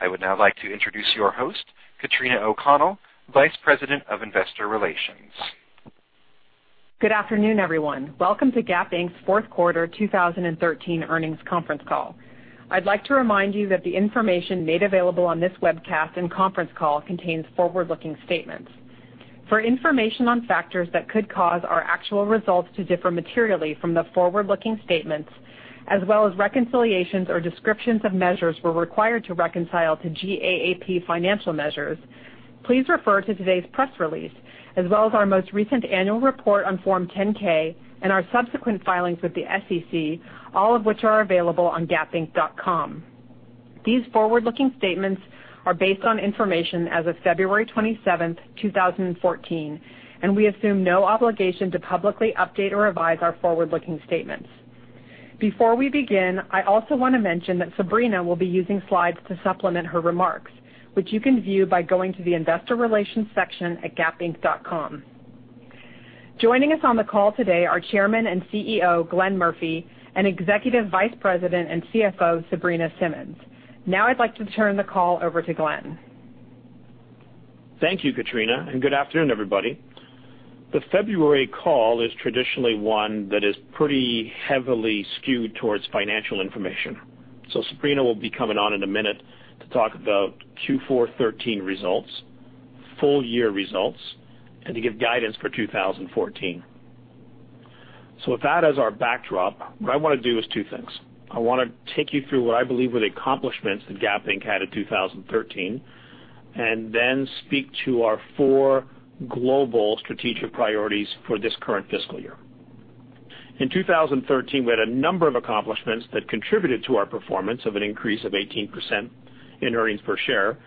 I would now like to introduce your host, Katrina O'Connell, Vice President of Investor Relations. Good afternoon, everyone. Welcome to Gap Inc.'s fourth quarter 2013 earnings conference call. I'd like to remind you that the information made available on this webcast and conference call contains forward-looking statements. For information on factors that could cause our actual results to differ materially from the forward-looking statements, as well as reconciliations or descriptions of measures we're required to reconcile to GAAP financial measures, please refer to today's press release, as well as our most recent annual report on Form 10-K and our subsequent filings with the SEC, all of which are available on gapinc.com. We assume no obligation to publicly update or revise our forward-looking statements. Before we begin, I also want to mention that Sabrina will be using slides to supplement her remarks, which you can view by going to the investor relations section at gapinc.com. Joining us on the call today are Chairman and CEO, Glenn Murphy, and Executive Vice President and CFO, Sabrina Simmons. I'd like to turn the call over to Glenn. Thank you, Katrina. Good afternoon, everybody. The February call is traditionally one that is pretty heavily skewed towards financial information. Sabrina will be coming on in a minute to talk about Q4 2013 results, full year results, and to give guidance for 2014. With that as our backdrop, what I want to do is two things. I want to take you through what I believe are the accomplishments that Gap Inc. had in 2013, and then speak to our four global strategic priorities for this current fiscal year. In 2013, we had a number of accomplishments that contributed to our performance of an increase of 18% in earnings per share.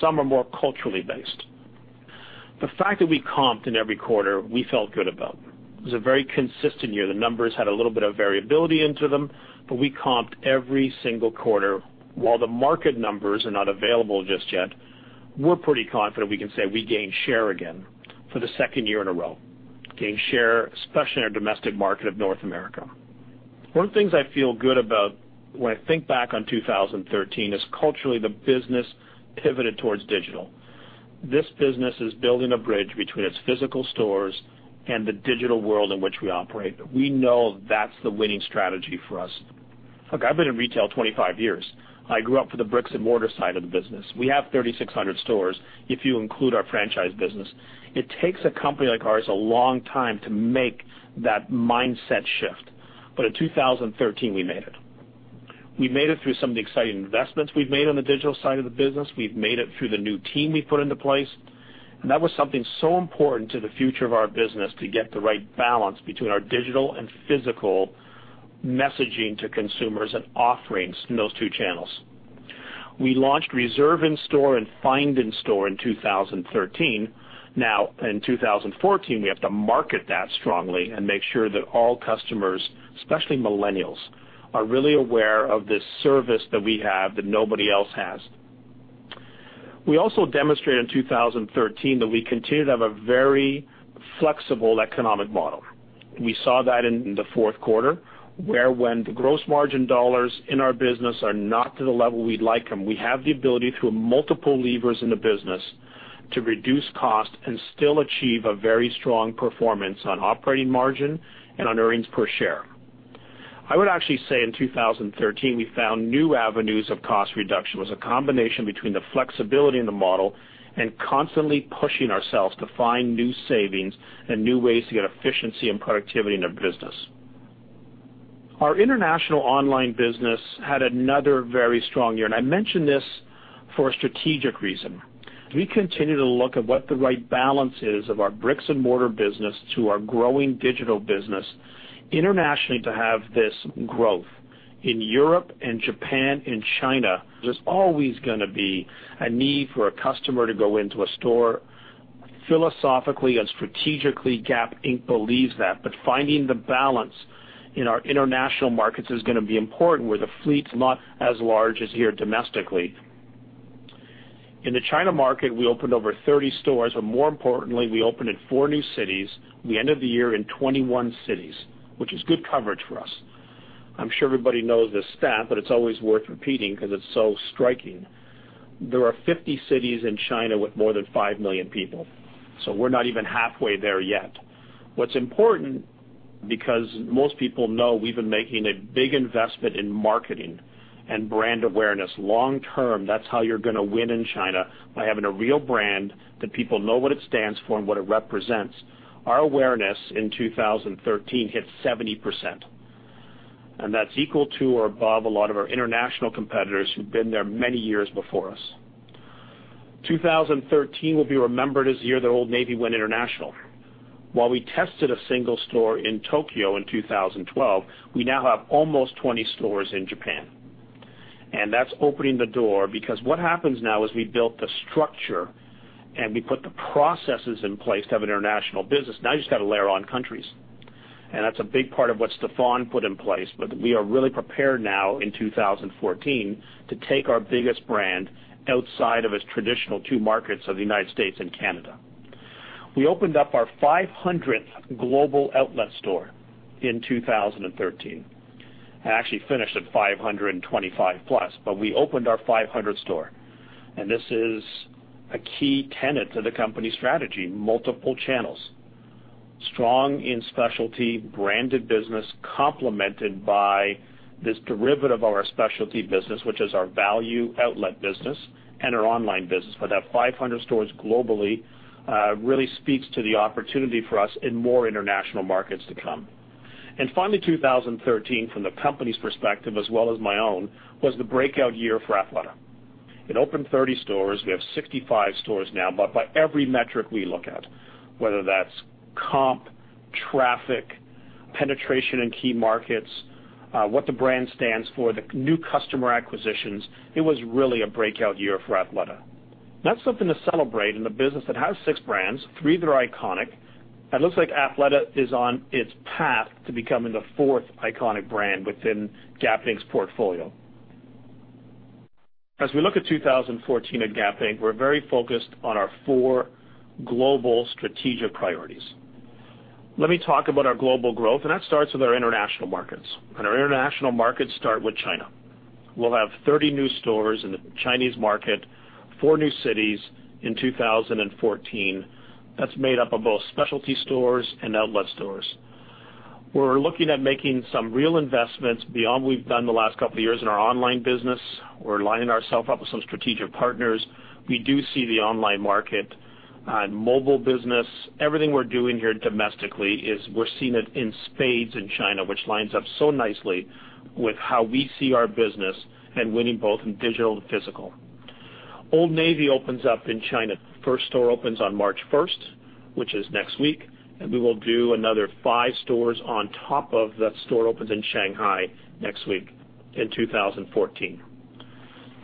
Some are more culturally based. The fact that we comped in every quarter, we felt good about. It was a very consistent year. The numbers had a little bit of variability into them, we comped every single quarter. While the market numbers are not available just yet, we're pretty confident we can say we gained share again for the second year in a row. Gained share, especially in our domestic market of North America. One of the things I feel good about when I think back on 2013 is culturally, the business pivoted towards digital. This business is building a bridge between its physical stores and the digital world in which we operate. We know that's the winning strategy for us. Look, I've been in retail 25 years. I grew up with the bricks-and-mortar side of the business. We have 3,600 stores if you include our franchise business. It takes a company like ours a long time to make that mindset shift. In 2013, we made it. We made it through some of the exciting investments we've made on the digital side of the business. We've made it through the new team we put into place, that was something so important to the future of our business to get the right balance between our digital and physical messaging to consumers and offerings in those two channels. We launched Reserve In Store and Find In Store in 2013. In 2014, we have to market that strongly and make sure that all customers, especially millennials, are really aware of this service that we have that nobody else has. We also demonstrated in 2013 that we continue to have a very flexible economic model. We saw that in the fourth quarter, where when the gross margin dollars in our business are not to the level we'd like them, we have the ability through multiple levers in the business to reduce cost and still achieve a very strong performance on operating margin and on earnings per share. I would actually say in 2013, we found new avenues of cost reduction. It was a combination between the flexibility in the model and constantly pushing ourselves to find new savings and new ways to get efficiency and productivity in our business. Our international online business had another very strong year, I mention this for a strategic reason. We continue to look at what the right balance is of our bricks-and-mortar business to our growing digital business internationally to have this growth. In Europe and Japan and China, there's always going to be a need for a customer to go into a store. Philosophically and strategically, Gap Inc. believes that. Finding the balance in our international markets is going to be important where the fleet's not as large as here domestically. In the China market, we opened over 30 stores, more importantly, we opened in four new cities. We end of the year in 21 cities, which is good coverage for us. I'm sure everybody knows this stat, it's always worth repeating because it's so striking. There are 50 cities in China with more than 5 million people. We're not even halfway there yet. What's important, because most people know we've been making a big investment in marketing and brand awareness. Long term, that's how you're going to win in China, by having a real brand that people know what it stands for and what it represents. Our awareness in 2013 hit 70%, that's equal to or above a lot of our international competitors who've been there many years before us. 2013 will be remembered as the year that Old Navy went international. While we tested a single store in Tokyo in 2012, we now have almost 20 stores in Japan, that's opening the door because what happens now is we built the structure and we put the processes in place to have an international business. Now you just got to layer on countries, that's a big part of what Stefan put in place. We are really prepared now in 2014 to take our biggest brand outside of its traditional two markets of the U.S. and Canada. We opened up our 500th global outlet store in 2013. Actually finished at 525 plus, but we opened our 500th store. This is a key tenet to the company strategy, multiple channels. Strong in specialty branded business, complemented by this derivative of our specialty business, which is our value outlet business and our online business. That 500 stores globally, really speaks to the opportunity for us in more international markets to come. Finally, 2013, from the company's perspective, as well as my own, was the breakout year for Athleta. It opened 30 stores. We have 65 stores now. By every metric we look at, whether that's comp, traffic, penetration in key markets, what the brand stands for, the new customer acquisitions, it was really a breakout year for Athleta. That's something to celebrate in the business that has six brands, three that are iconic, and looks like Athleta is on its path to becoming the fourth iconic brand within Gap Inc.'s portfolio. As we look at 2014 at Gap Inc., we're very focused on our four global strategic priorities. Let me talk about our global growth, and that starts with our international markets. Our international markets start with China. We'll have 30 new stores in the Chinese market, four new cities in 2014. That's made up of both specialty stores and outlet stores. We're looking at making some real investments beyond what we've done the last couple of years in our online business. We're lining ourself up with some strategic partners. We do see the online market and mobile business. Everything we're doing here domestically is we're seeing it in spades in China, which lines up so nicely with how we see our business and winning both in digital and physical. Old Navy opens up in China. First store opens on March 1st, which is next week, and we will do another five stores on top of that store opens in Shanghai next week in 2014.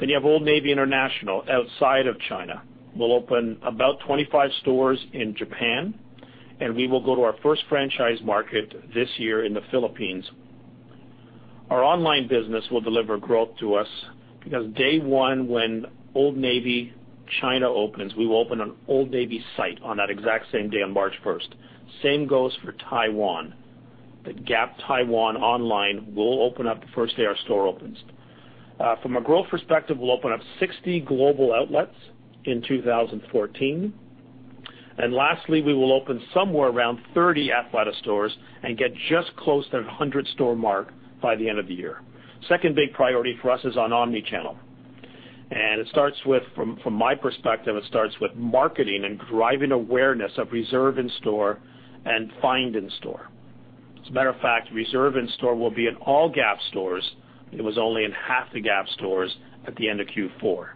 You have Old Navy International outside of China. We'll open about 25 stores in Japan, and we will go to our first franchise market this year in the Philippines. Our online business will deliver growth to us because day one, when Old Navy China opens, we will open an Old Navy site on that exact same day on March 1st. Same goes for Taiwan. The Gap Taiwan online will open up the first day our store opens. From a growth perspective, we'll open up 60 global outlets in 2014. Lastly, we will open somewhere around 30 Athleta stores and get just close to the 100-store mark by the end of the year. Second big priority for us is on omni-channel. From my perspective, it starts with marketing and driving awareness of Reserve in Store and Find In Store. As a matter of fact, Reserve in Store will be in all Gap stores. It was only in half the Gap stores at the end of Q4.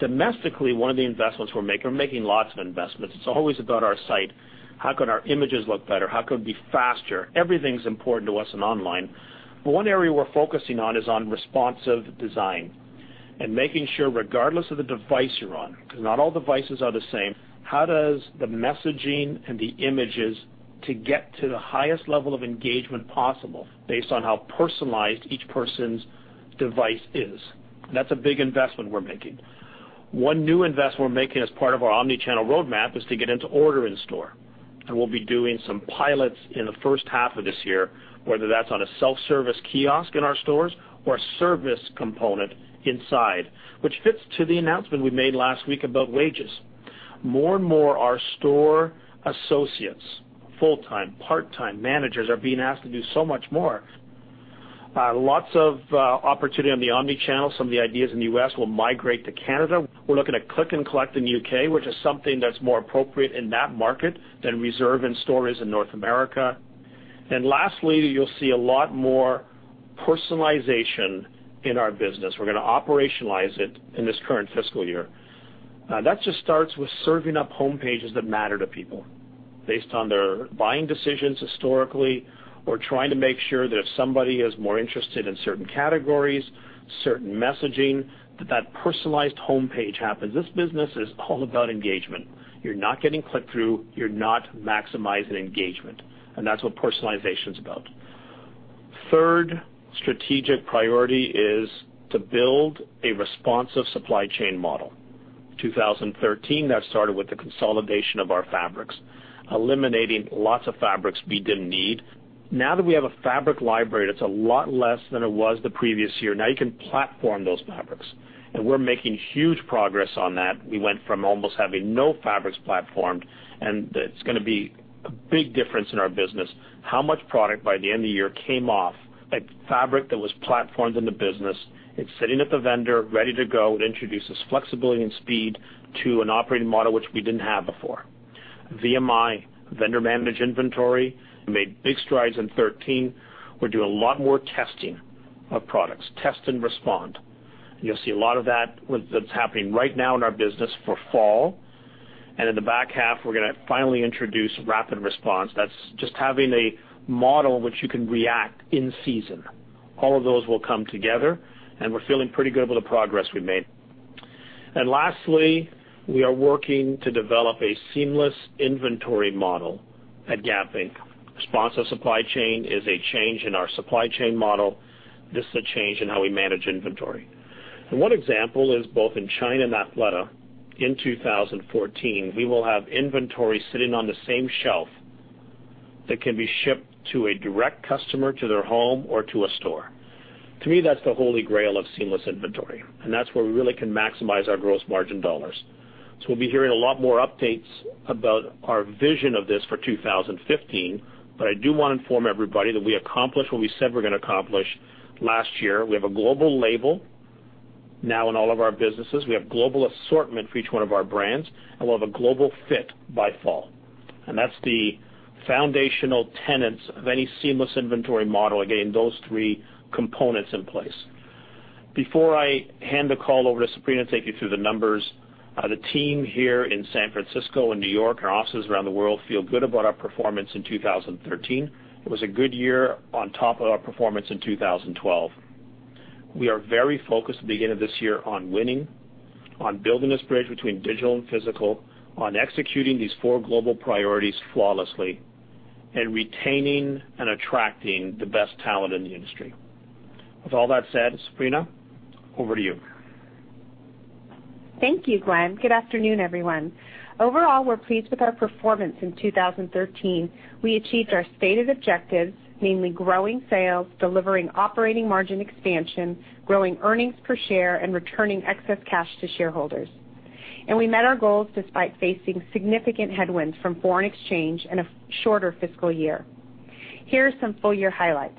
Domestically, one of the investments we're making, we're making lots of investments. It's always about our site. How can our images look better? How can it be faster? Everything's important to us in online. One area we're focusing on is on responsive design and making sure regardless of the device you're on, because not all devices are the same, how does the messaging and the images to get to the highest level of engagement possible based on how personalized each person's device is? That's a big investment we're making. One new investment we're making as part of our omni-channel roadmap is to get into order in store. We'll be doing some pilots in the first half of this year, whether that's on a self-service kiosk in our stores or a service component inside, which fits to the announcement we made last week about wages. More and more, our store associates, full-time, part-time, managers, are being asked to do so much more. Lots of opportunity on the omni-channel. Some of the ideas in the U.S. will migrate to Canada. We're looking at click and collect in the U.K., which is something that's more appropriate in that market than Reserve in Stores in North America. Lastly, you'll see a lot more personalization in our business. We're going to operationalize it in this current fiscal year. That just starts with serving up homepages that matter to people based on their buying decisions historically or trying to make sure that if somebody is more interested in certain categories, certain messaging, that that personalized homepage happens. This business is all about engagement. You're not getting click-through, you're not maximizing engagement. That's what personalization is about. Third strategic priority is to build a responsive supply chain model. 2013, that started with the consolidation of our fabrics, eliminating lots of fabrics we didn't need. Now that we have a fabric library that's a lot less than it was the previous year, now you can platform those fabrics. We're making huge progress on that. We went from almost having no fabrics platformed, it's going to be a big difference in our business. How much product by the end of the year came off, like fabric that was platformed in the business. It's sitting at the vendor ready to go. It introduces flexibility and speed to an operating model which we didn't have before. VMI, vendor-managed inventory, made big strides in 2013. We're doing a lot more testing of products, test and respond. You'll see a lot of that with what's happening right now in our business for fall. In the back half, we're going to finally introduce rapid response. That's just having a model which you can react in season. All of those will come together, and we're feeling pretty good with the progress we've made. Lastly, we are working to develop a seamless inventory model at Gap Inc. Responsive supply chain is a change in our supply chain model. This is a change in how we manage inventory. One example is both in China and Athleta. In 2014, we will have inventory sitting on the same shelf that can be shipped to a direct customer, to their home, or to a store. To me, that's the holy grail of seamless inventory, and that's where we really can maximize our gross margin dollars. We'll be hearing a lot more updates about our vision of this for 2015. I do want to inform everybody that we accomplished what we said we're going to accomplish last year. We have a global label now in all of our businesses. We have global assortment for each one of our brands, and we'll have a global fit by fall. That's the foundational tenets of any seamless inventory model of getting those three components in place. Before I hand the call over to Sabrina to take you through the numbers, the team here in San Francisco and New York, and our offices around the world, feel good about our performance in 2013. It was a good year on top of our performance in 2012. We are very focused at the beginning of this year on winning, on building this bridge between digital and physical, on executing these four global priorities flawlessly, and retaining and attracting the best talent in the industry. With all that said, Sabrina, over to you. Thank you, Glenn. Good afternoon, everyone. Overall, we're pleased with our performance in 2013. We achieved our stated objectives, namely growing sales, delivering operating margin expansion, growing earnings per share, and returning excess cash to shareholders. We met our goals despite facing significant headwinds from foreign exchange and a shorter fiscal year. Here are some full-year highlights.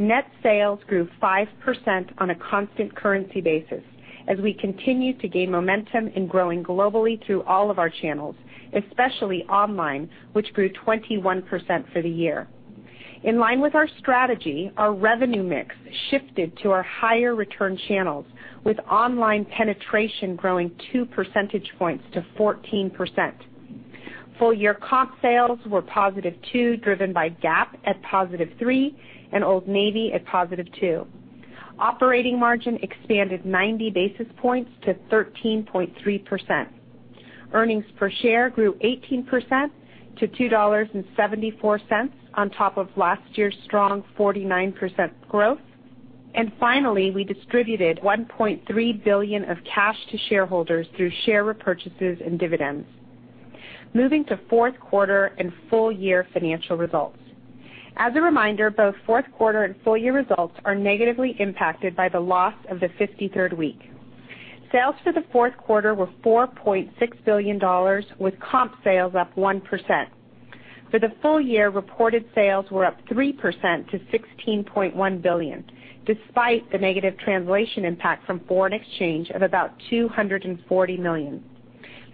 Net sales grew 5% on a constant currency basis as we continue to gain momentum in growing globally through all of our channels, especially online, which grew 21% for the year. In line with our strategy, our revenue mix shifted to our higher-return channels, with online penetration growing two percentage points to 14%. Full-year comp sales were positive two, driven by Gap at positive three and Old Navy at positive two. Operating margin expanded 90 basis points to 13.3%. Earnings per share grew 18% to $2.74 on top of last year's strong 49% growth. Finally, we distributed $1.3 billion of cash to shareholders through share repurchases and dividends. Moving to fourth quarter and full-year financial results. As a reminder, both fourth quarter and full-year results are negatively impacted by the loss of the 53rd week. Sales for the fourth quarter were $4.6 billion, with comp sales up 1%. For the full year, reported sales were up 3% to $16.1 billion, despite the negative translation impact from foreign exchange of about $240 million.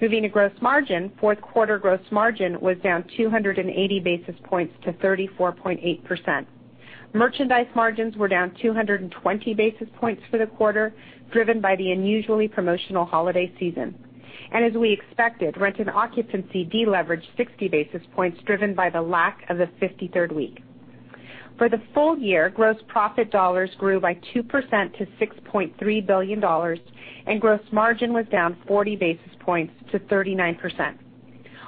Moving to gross margin, fourth quarter gross margin was down 280 basis points to 34.8%. Merchandise margins were down 220 basis points for the quarter, driven by the unusually promotional holiday season. As we expected, rent and occupancy deleveraged 60 basis points, driven by the lack of the 53rd week. For the full year, gross profit dollars grew by 2% to $6.3 billion, and gross margin was down 40 basis points to 39%.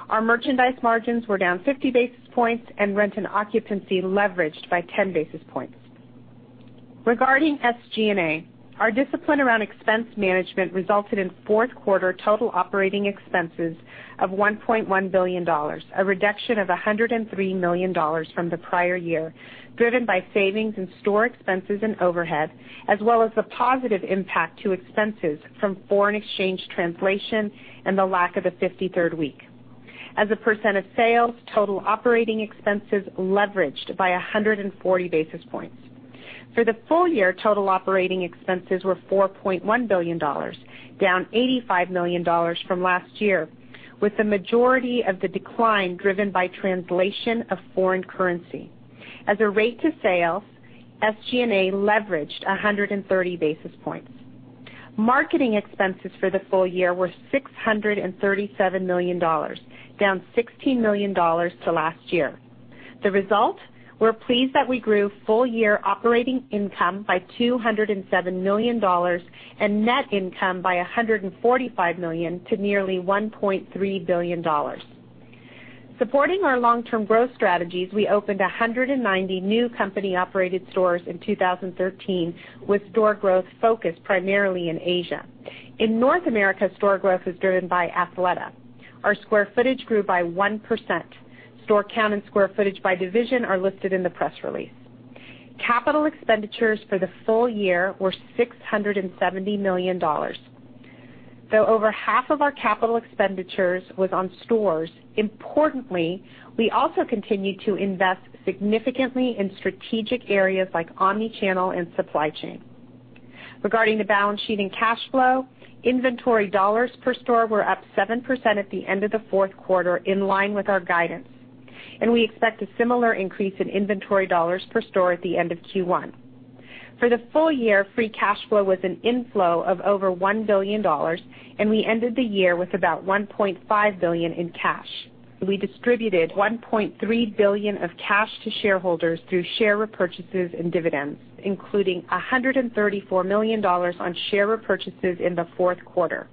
Our merchandise margins were down 50 basis points, and rent and occupancy leveraged by 10 basis points. Regarding SG&A, our discipline around expense management resulted in fourth quarter total operating expenses of $1.1 billion, a reduction of $103 million from the prior year, driven by savings in store expenses and overhead, as well as the positive impact to expenses from foreign exchange translation and the lack of a 53rd week. As a percent of sales, total operating expenses leveraged by 140 basis points. For the full year, total operating expenses were $4.1 billion, down $85 million from last year, with the majority of the decline driven by translation of foreign currency. As a rate to sales, SG&A leveraged 130 basis points. Marketing expenses for the full year were $637 million, down $16 million to last year. The result, we're pleased that we grew full-year operating income by $207 million and net income by $145 million to nearly $1.3 billion. Supporting our long-term growth strategies, we opened 190 new company-operated stores in 2013, with store growth focused primarily in Asia. In North America, store growth was driven by Athleta. Our square footage grew by 1%. Store count and square footage by division are listed in the press release. Capital expenditures for the full year were $670 million. Though over half of our capital expenditures was on stores, importantly, we also continued to invest significantly in strategic areas like omni-channel and supply chain. Regarding the balance sheet and cash flow, inventory dollars per store were up 7% at the end of the fourth quarter, in line with our guidance. We expect a similar increase in inventory dollars per store at the end of Q1. For the full year, free cash flow was an inflow of over $1 billion, and we ended the year with about $1.5 billion in cash. We distributed $1.3 billion of cash to shareholders through share repurchases and dividends, including $134 million on share repurchases in the fourth quarter.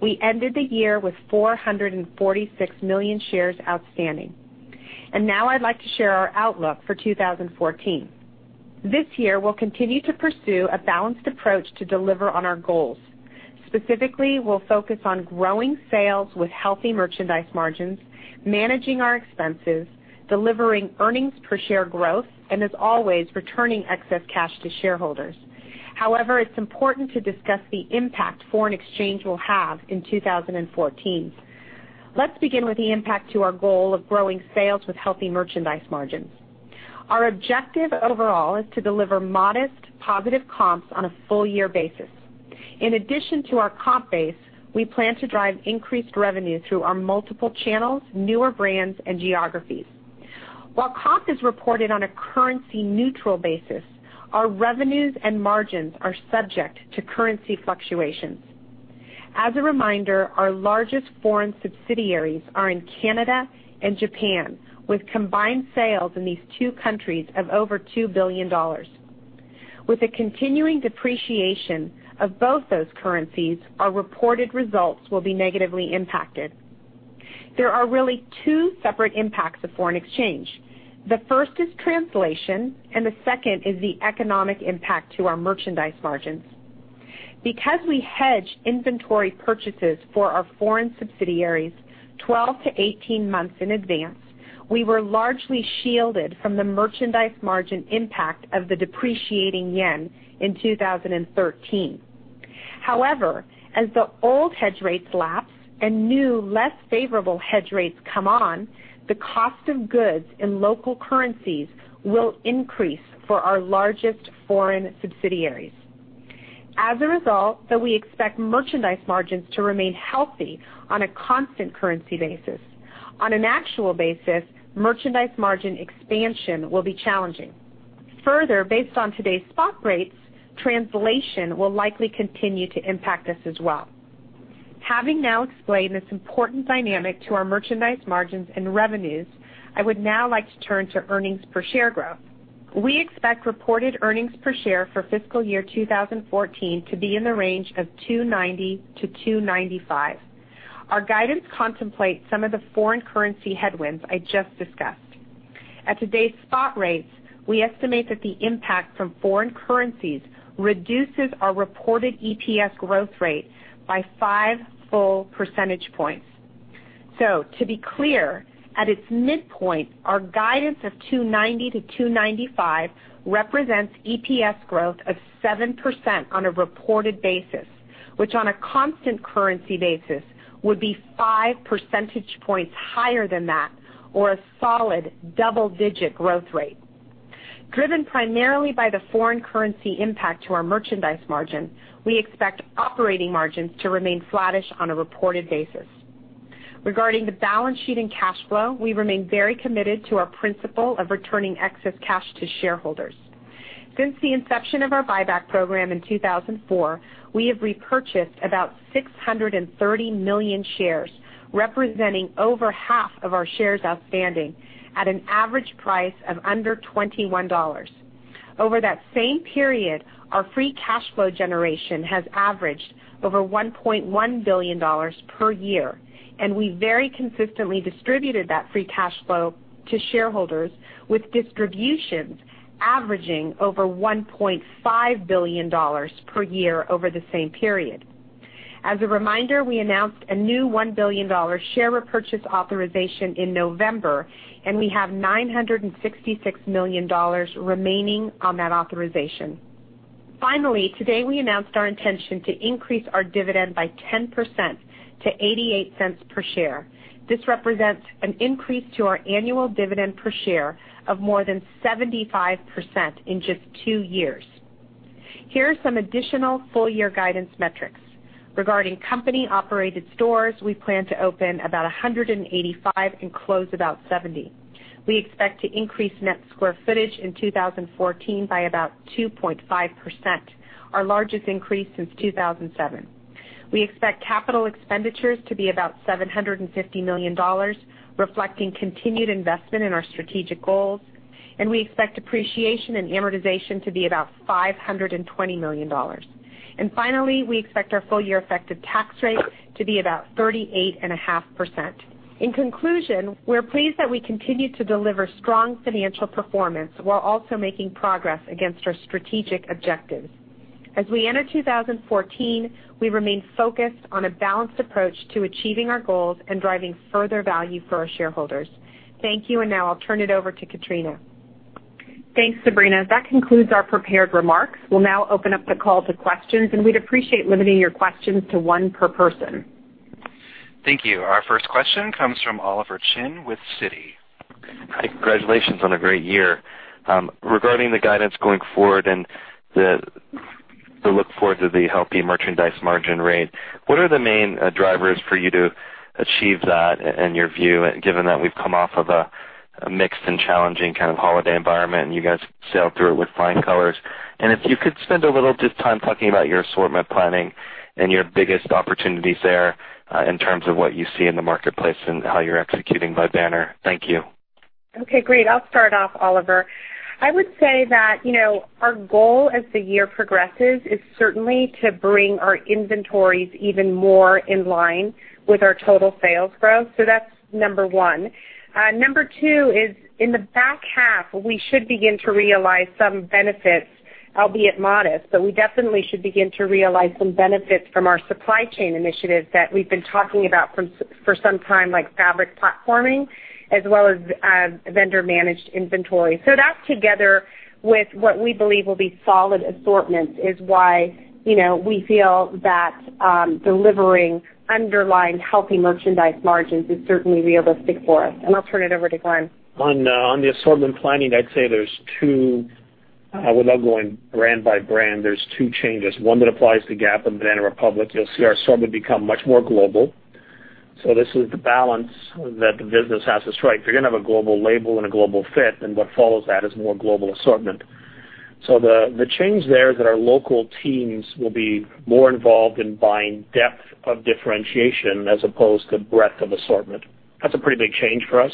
We ended the year with 446 million shares outstanding. Now I'd like to share our outlook for 2014. This year, we'll continue to pursue a balanced approach to deliver on our goals. Specifically, we'll focus on growing sales with healthy merchandise margins, managing our expenses, delivering earnings per share growth, and as always, returning excess cash to shareholders. However, it's important to discuss the impact foreign exchange will have in 2014. Let's begin with the impact to our goal of growing sales with healthy merchandise margins. Our objective overall is to deliver modest positive comps on a full year basis. In addition to our comp base, we plan to drive increased revenue through our multiple channels, newer brands, and geographies. While comp is reported on a currency-neutral basis, our revenues and margins are subject to currency fluctuations. As a reminder, our largest foreign subsidiaries are in Canada and Japan, with combined sales in these two countries of over $2 billion. With the continuing depreciation of both those currencies, our reported results will be negatively impacted. There are really two separate impacts of foreign exchange. The first is translation, and the second is the economic impact to our merchandise margins. Because we hedge inventory purchases for our foreign subsidiaries 12-18 months in advance, we were largely shielded from the merchandise margin impact of the depreciating JPY in 2013. However, as the old hedge rates lapse and new, less favorable hedge rates come on, the cost of goods in local currencies will increase for our largest foreign subsidiaries. As a result, though we expect merchandise margins to remain healthy on a constant currency basis, on an actual basis, merchandise margin expansion will be challenging. Further, based on today's spot rates, translation will likely continue to impact us as well. Having now explained this important dynamic to our merchandise margins and revenues, I would now like to turn to EPS growth. We expect reported EPS for fiscal year 2014 to be in the range of $2.90-$2.95. Our guidance contemplates some of the foreign currency headwinds I just discussed. At today's spot rates, we estimate that the impact from foreign currencies reduces our reported EPS growth rate by 5 full percentage points. To be clear, at its midpoint, our guidance of $2.90-$2.95 represents EPS growth of 7% on a reported basis, which on a constant currency basis would be 5 percentage points higher than that or a solid double-digit growth rate. Driven primarily by the foreign currency impact to our merchandise margin, we expect operating margins to remain flattish on a reported basis. Regarding the balance sheet and cash flow, we remain very committed to our principle of returning excess cash to shareholders. Since the inception of our buyback program in 2004, we have repurchased about 630 million shares, representing over half of our shares outstanding at an average price of under $21. Over that same period, our free cash flow generation has averaged over $1.1 billion per year. We very consistently distributed that free cash flow to shareholders, with distributions averaging over $1.5 billion per year over the same period. As a reminder, we announced a new $1 billion share repurchase authorization in November. We have $966 million remaining on that authorization. Today, we announced our intention to increase our dividend by 10% to $0.88 per share. This represents an increase to our annual dividend per share of more than 75% in just two years. Here are some additional full-year guidance metrics. Regarding company-operated stores, we plan to open about 185 and close about 70. We expect to increase net square footage in 2014 by about 2.5%, our largest increase since 2007. We expect capital expenditures to be about $750 million, reflecting continued investment in our strategic goals. We expect depreciation and amortization to be about $520 million. Finally, we expect our full-year effective tax rate to be about 38.5%. In conclusion, we're pleased that we continue to deliver strong financial performance while also making progress against our strategic objectives. As we enter 2014, we remain focused on a balanced approach to achieving our goals and driving further value for our shareholders. Thank you. Now I'll turn it over to Katrina. Thanks, Sabrina. That concludes our prepared remarks. We'll now open up the call to questions. We'd appreciate limiting your questions to one per person. Thank you. Our first question comes from Oliver Chen with Citigroup. Hi, congratulations on a great year. Regarding the guidance going forward and the look forward to the healthy merchandise margin rate, what are the main drivers for you to achieve that in your view, given that we've come off of a mixed and challenging kind of holiday environment and you guys sailed through it with flying colors? If you could spend a little just time talking about your assortment planning and your biggest opportunities there, in terms of what you see in the marketplace and how you're executing by banner. Thank you. Okay, great. I'll start off, Oliver. I would say that our goal as the year progresses is certainly to bring our inventories even more in line with our total sales growth. That's number one. Number two is in the back half, we should begin to realize some benefits, albeit modest, but we definitely should begin to realize some benefits from our supply chain initiatives that we've been talking about for some time, like fabric platforming, as well as vendor-managed inventory. That together with what we believe will be solid assortments is why we feel that delivering underlying healthy merchandise margins is certainly realistic for us. I'll turn it over to Glenn. On the assortment planning, I'd say there's two, without going brand by brand, there's two changes. One that applies to Gap and Banana Republic. You'll see our assortment become much more global. This is the balance that the business has to strike. If you're going to have a global label and a global fit, what follows that is more global assortment. The change there is that our local teams will be more involved in buying depth of differentiation as opposed to breadth of assortment. That's a pretty big change for us.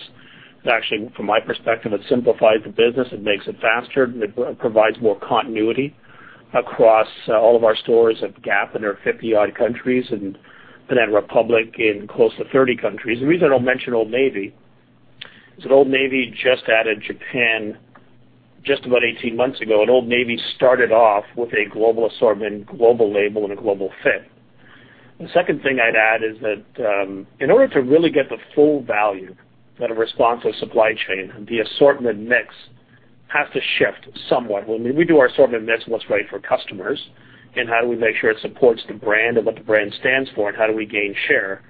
It actually, from my perspective, it simplifies the business. It makes it faster, and it provides more continuity across all of our stores at Gap in their 50 odd countries and Banana Republic in close to 30 countries. The reason I don't mention Old Navy is that Old Navy just added Japan just about 18 months ago, Old Navy started off with a global assortment, global label, and a global fit. The second thing I'd add is that, in order to really get the full value of a responsive supply chain, the assortment mix has to shift somewhat. When we do our assortment mix, what's right for customers, and how do we make sure it supports the brand and what the brand stands for, and how do we gain share.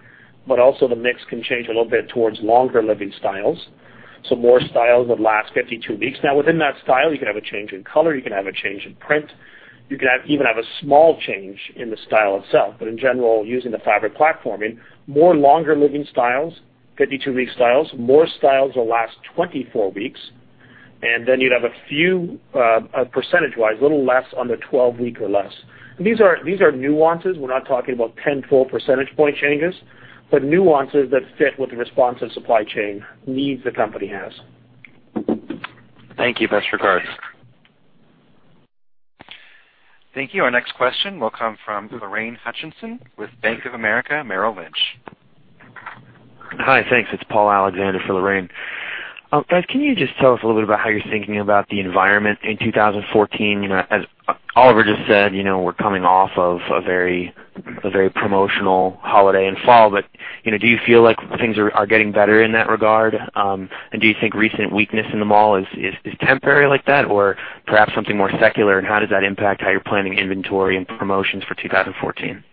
Also the mix can change a little bit towards longer living styles. More styles would last 52 weeks. Now, within that style, you can have a change in color, you can have a change in print, you can even have a small change in the style itself. In general, using the fabric platforming, more longer living styles, 52-week styles, more styles will last 24 weeks, you'd have a few, percentage-wise, a little less under 12 week or less. These are nuances. We're not talking about 10, 12 percentage point changes, but nuances that fit with the responsive supply chain needs the company has. Thank you. Best regards. Thank you. Our next question will come from Lorraine Hutchinson with Bank of America Merrill Lynch. Hi. Thanks. It's Paul Alexander for Lorraine. Guys, can you just tell us a little bit about how you're thinking about the environment in 2014? As Oliver just said, we're coming off of a very promotional holiday in fall. Do you feel like things are getting better in that regard? Do you think recent weakness in the mall is temporary like that or perhaps something more secular? How does that impact how you're planning inventory and promotions for 2014?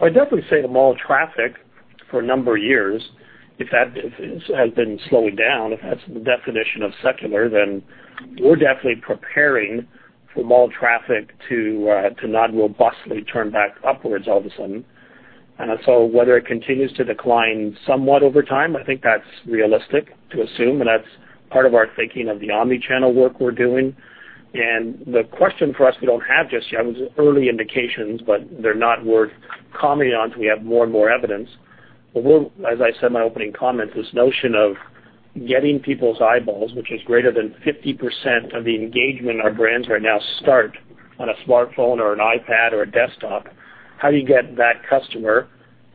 I'd definitely say the mall traffic for a number of years has been slowing down. If that's the definition of secular, then we're definitely preparing for mall traffic to not robustly turn back upwards all of a sudden. Whether it continues to decline somewhat over time, I think that's realistic to assume, and that's part of our thinking of the omnichannel work we're doing. The question for us we don't have just yet, there's early indications, but they're not worth commenting on until we have more and more evidence. We'll, as I said in my opening comment, this notion of getting people's eyeballs, which is greater than 50% of the engagement our brands right now start on a smartphone or an iPad or a desktop. How do you get that customer,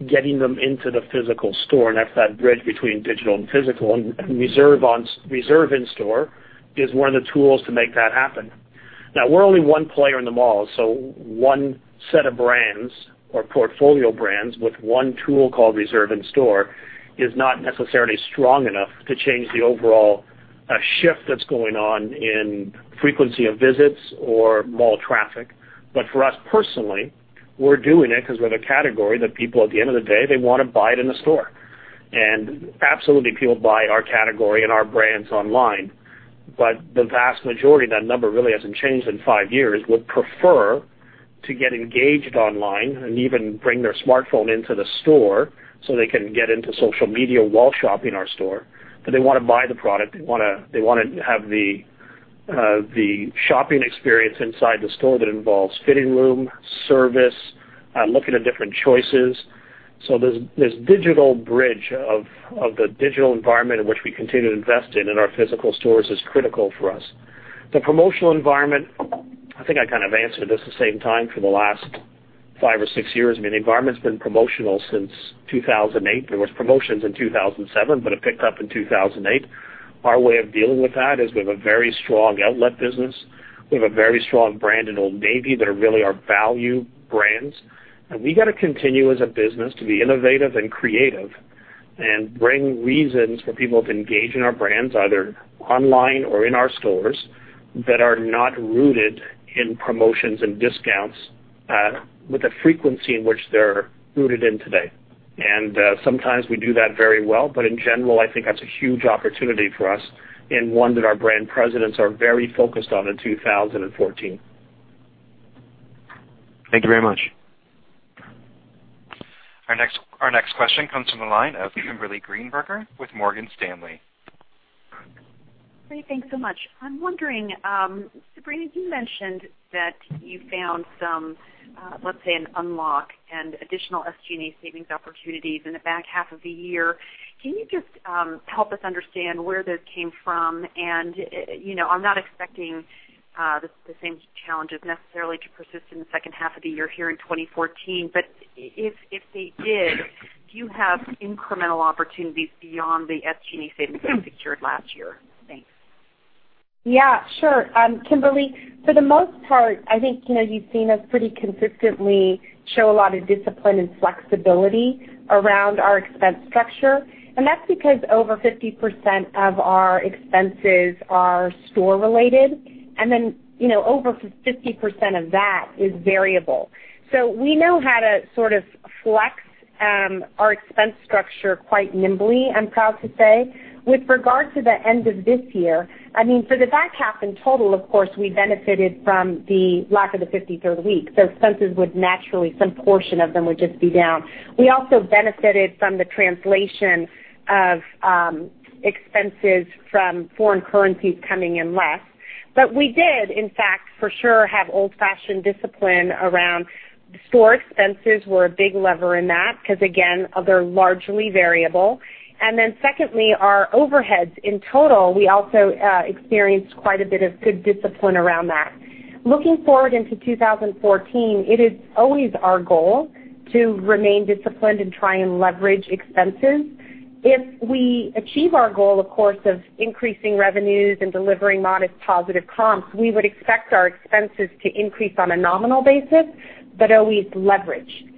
getting them into the physical store? That's that bridge between digital and physical, and Reserve in Store is one of the tools to make that happen. Now, we're only one player in the mall. One set of brands or portfolio brands with one tool called Reserve in Store is not necessarily strong enough to change the overall shift that's going on in frequency of visits or mall traffic. For us personally, we're doing it because we're the category that people at the end of the day, they want to buy it in the store. Absolutely, people buy our category and our brands online. The vast majority, that number really hasn't changed in five years, would prefer to get engaged online and even bring their smartphone into the store so they can get into social media while shopping our store. They want to buy the product. They want to have the shopping experience inside the store that involves fitting room, service, looking at different choices. This digital bridge of the digital environment in which we continue to invest in our physical stores is critical for us. The promotional environment, I think I kind of answered this the same time for the last five or six years. I mean, the environment's been promotional since 2008. There was promotions in 2007, but it picked up in 2008. Our way of dealing with that is we have a very strong outlet business. We have a very strong brand in Old Navy that are really our value brands. We got to continue as a business to be innovative and creative and bring reasons for people to engage in our brands, either online or in our stores, that are not rooted in promotions and discounts with the frequency in which they're rooted in today. Sometimes we do that very well. In general, I think that's a huge opportunity for us and one that our brand presidents are very focused on in 2014. Thank you very much. Our next question comes from the line of Kimberly Greenberger with Morgan Stanley. Great. Thanks so much. I'm wondering, Sabrina, you mentioned that you found some, let's say, an unlock and additional SG&A savings opportunities in the back half of the year. Can you just help us understand where this came from? I'm not expecting the same challenges necessarily to persist in the second half of the year here in 2014. If they did, do you have incremental opportunities beyond the SG&A savings that you secured last year? Thanks. Yeah, sure. Kimberly, for the most part, I think you've seen us pretty consistently show a lot of discipline and flexibility around our expense structure, that's because over 50% of our expenses are store related. Over 50% of that is variable. We know how to sort of flex our expense structure quite nimbly, I'm proud to say. With regard to the end of this year, for the back half in total, of course, we benefited from the lack of the 53rd week. Expenses would naturally, some portion of them would just be down. We also benefited from the translation of expenses from foreign currencies coming in less. We did, in fact, for sure, have old-fashioned discipline around store expenses were a big lever in that, because again, they're largely variable. Secondly, our overheads. In total, we also experienced quite a bit of good discipline around that. Looking forward into 2014, it is always our goal to remain disciplined and try and leverage expenses. If we achieve our goal, of course, of increasing revenues and delivering modest positive comps, we would expect our expenses to increase on a nominal basis but always leveraged.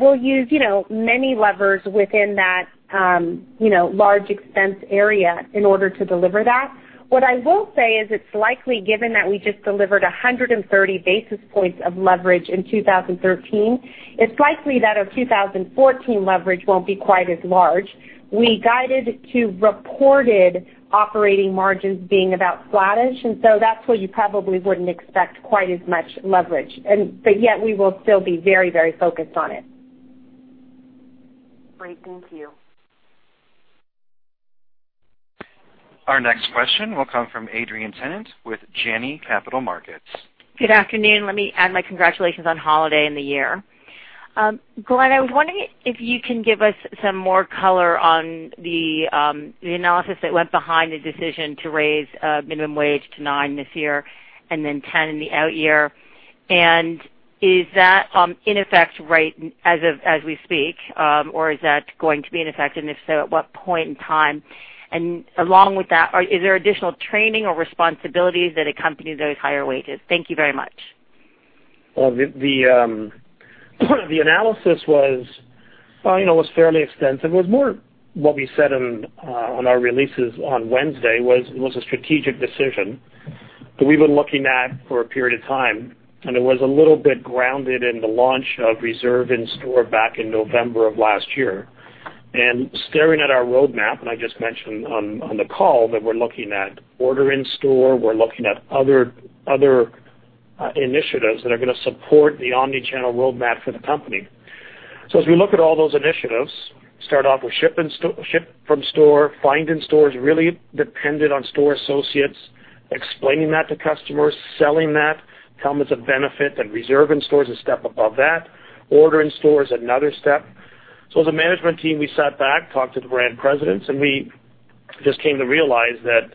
We'll use many levers within that large expense area in order to deliver that. What I will say is it's likely, given that we just delivered 130 basis points of leverage in 2013, it's likely that our 2014 leverage won't be quite as large. We guided to reported operating margins being about flattish, that's where you probably wouldn't expect quite as much leverage. Yet we will still be very focused on it. Great. Thank you. Our next question will come from Adrienne Tennant with Janney Capital Markets. Good afternoon. Let me add my congratulations on holiday and the year. Glenn, I was wondering if you can give us some more color on the analysis that went behind the decision to raise minimum wage to nine this year and then ten in the out year. Is that in effect rate as we speak, or is that going to be in effect? If so, at what point in time? Along with that, is there additional training or responsibilities that accompany those higher wages? Thank you very much. Well, the analysis was fairly extensive. It was more what we said on our releases on Wednesday, was a strategic decision that we've been looking at for a period of time, and it was a little bit grounded in the launch of Reserve in Store back in November of last year. Staring at our roadmap, and I just mentioned on the call that we're looking at order in store, we're looking at other initiatives that are going to support the omnichannel roadmap for the company. As we look at all those initiatives, start off with Ship From Store, Find In Store, really dependent on store associates explaining that to customers, selling that, tell them it's a benefit, and Reserve in Store is a step above that. Order in store is another step. As a management team, we sat back, talked to the brand presidents, and we just came to realize that,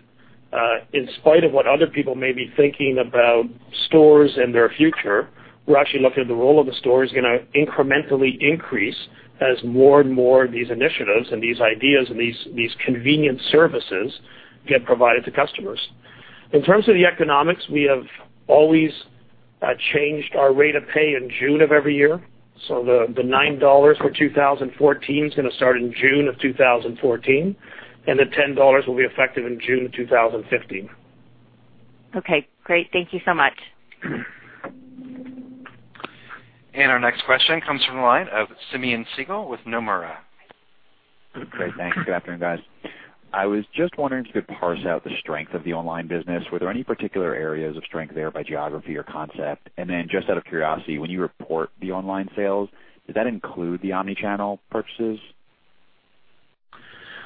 in spite of what other people may be thinking about stores and their future, we're actually looking at the role of the store is going to incrementally increase as more and more of these initiatives and these ideas and these convenient services get provided to customers. In terms of the economics, we have always changed our rate of pay in June of every year. The $9 for 2014 is going to start in June of 2014, and the $10 will be effective in June 2015. Okay, great. Thank you so much. Our next question comes from the line of Simeon Siegel with Nomura. Great, thanks. Good afternoon, guys. I was just wondering if you could parse out the strength of the online business. Were there any particular areas of strength there by geography or concept? Just out of curiosity, when you report the online sales, does that include the omnichannel purchases?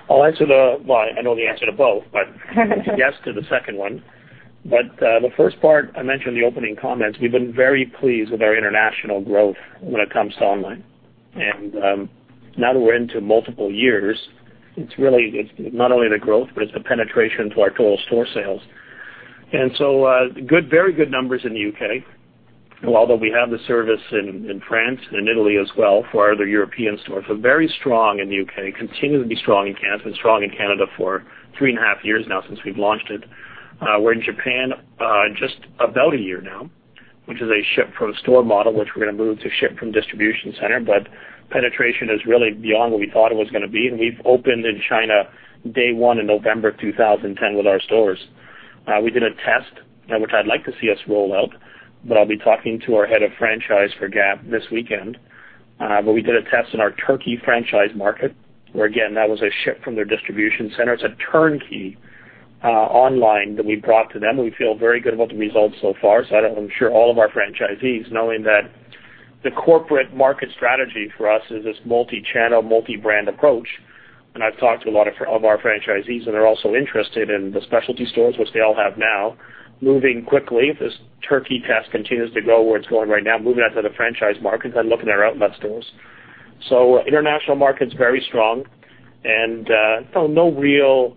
I know the answer to both, but yes to the second one. The first part, I mentioned in the opening comments, we've been very pleased with our international growth when it comes to online. Now that we're into multiple years, it's not only the growth, but it's the penetration to our total store sales. Very good numbers in the U.K., although we have the service in France and Italy as well for other European stores. Very strong in the U.K., continue to be strong in Canada. It's been strong in Canada for three and a half years now since we've launched it. We're in Japan just about a year now, which is a Ship From Store model, which we're going to move to ship from distribution center, but penetration is really beyond what we thought it was going to be. We've opened in China day 1 in November of 2010 with our stores. We did a test, which I'd like to see us roll out. I'll be talking to our head of franchise for Gap this weekend. We did a test in our Turkey franchise market, where again, that was a ship from their distribution center. It's a turnkey online that we brought to them, and we feel very good about the results so far. I'm sure all of our franchisees, knowing that the corporate market strategy for us is this multi-channel, multi-brand approach. I've talked to a lot of our franchisees, and they're also interested in the specialty stores, which they all have now, moving quickly. If this Turkey test continues to go where it's going right now, moving out to the franchise markets and looking at our outlet stores. International market's very strong and no real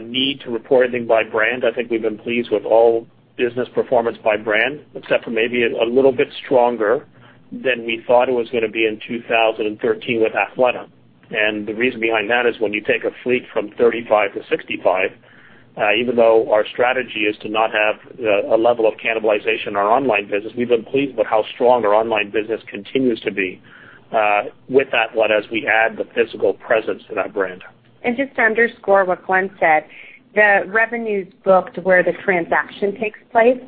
need to report anything by brand. I think we've been pleased with all business performance by brand, except for maybe a little bit stronger than we thought it was going to be in 2013 with Athleta. The reason behind that is when you take a fleet from 35 to 65, even though our strategy is to not have a level of cannibalization in our online business, we've been pleased with how strong our online business continues to be with Athleta as we add the physical presence to that brand. Just to underscore what Glenn said, the revenue's booked where the transaction takes place.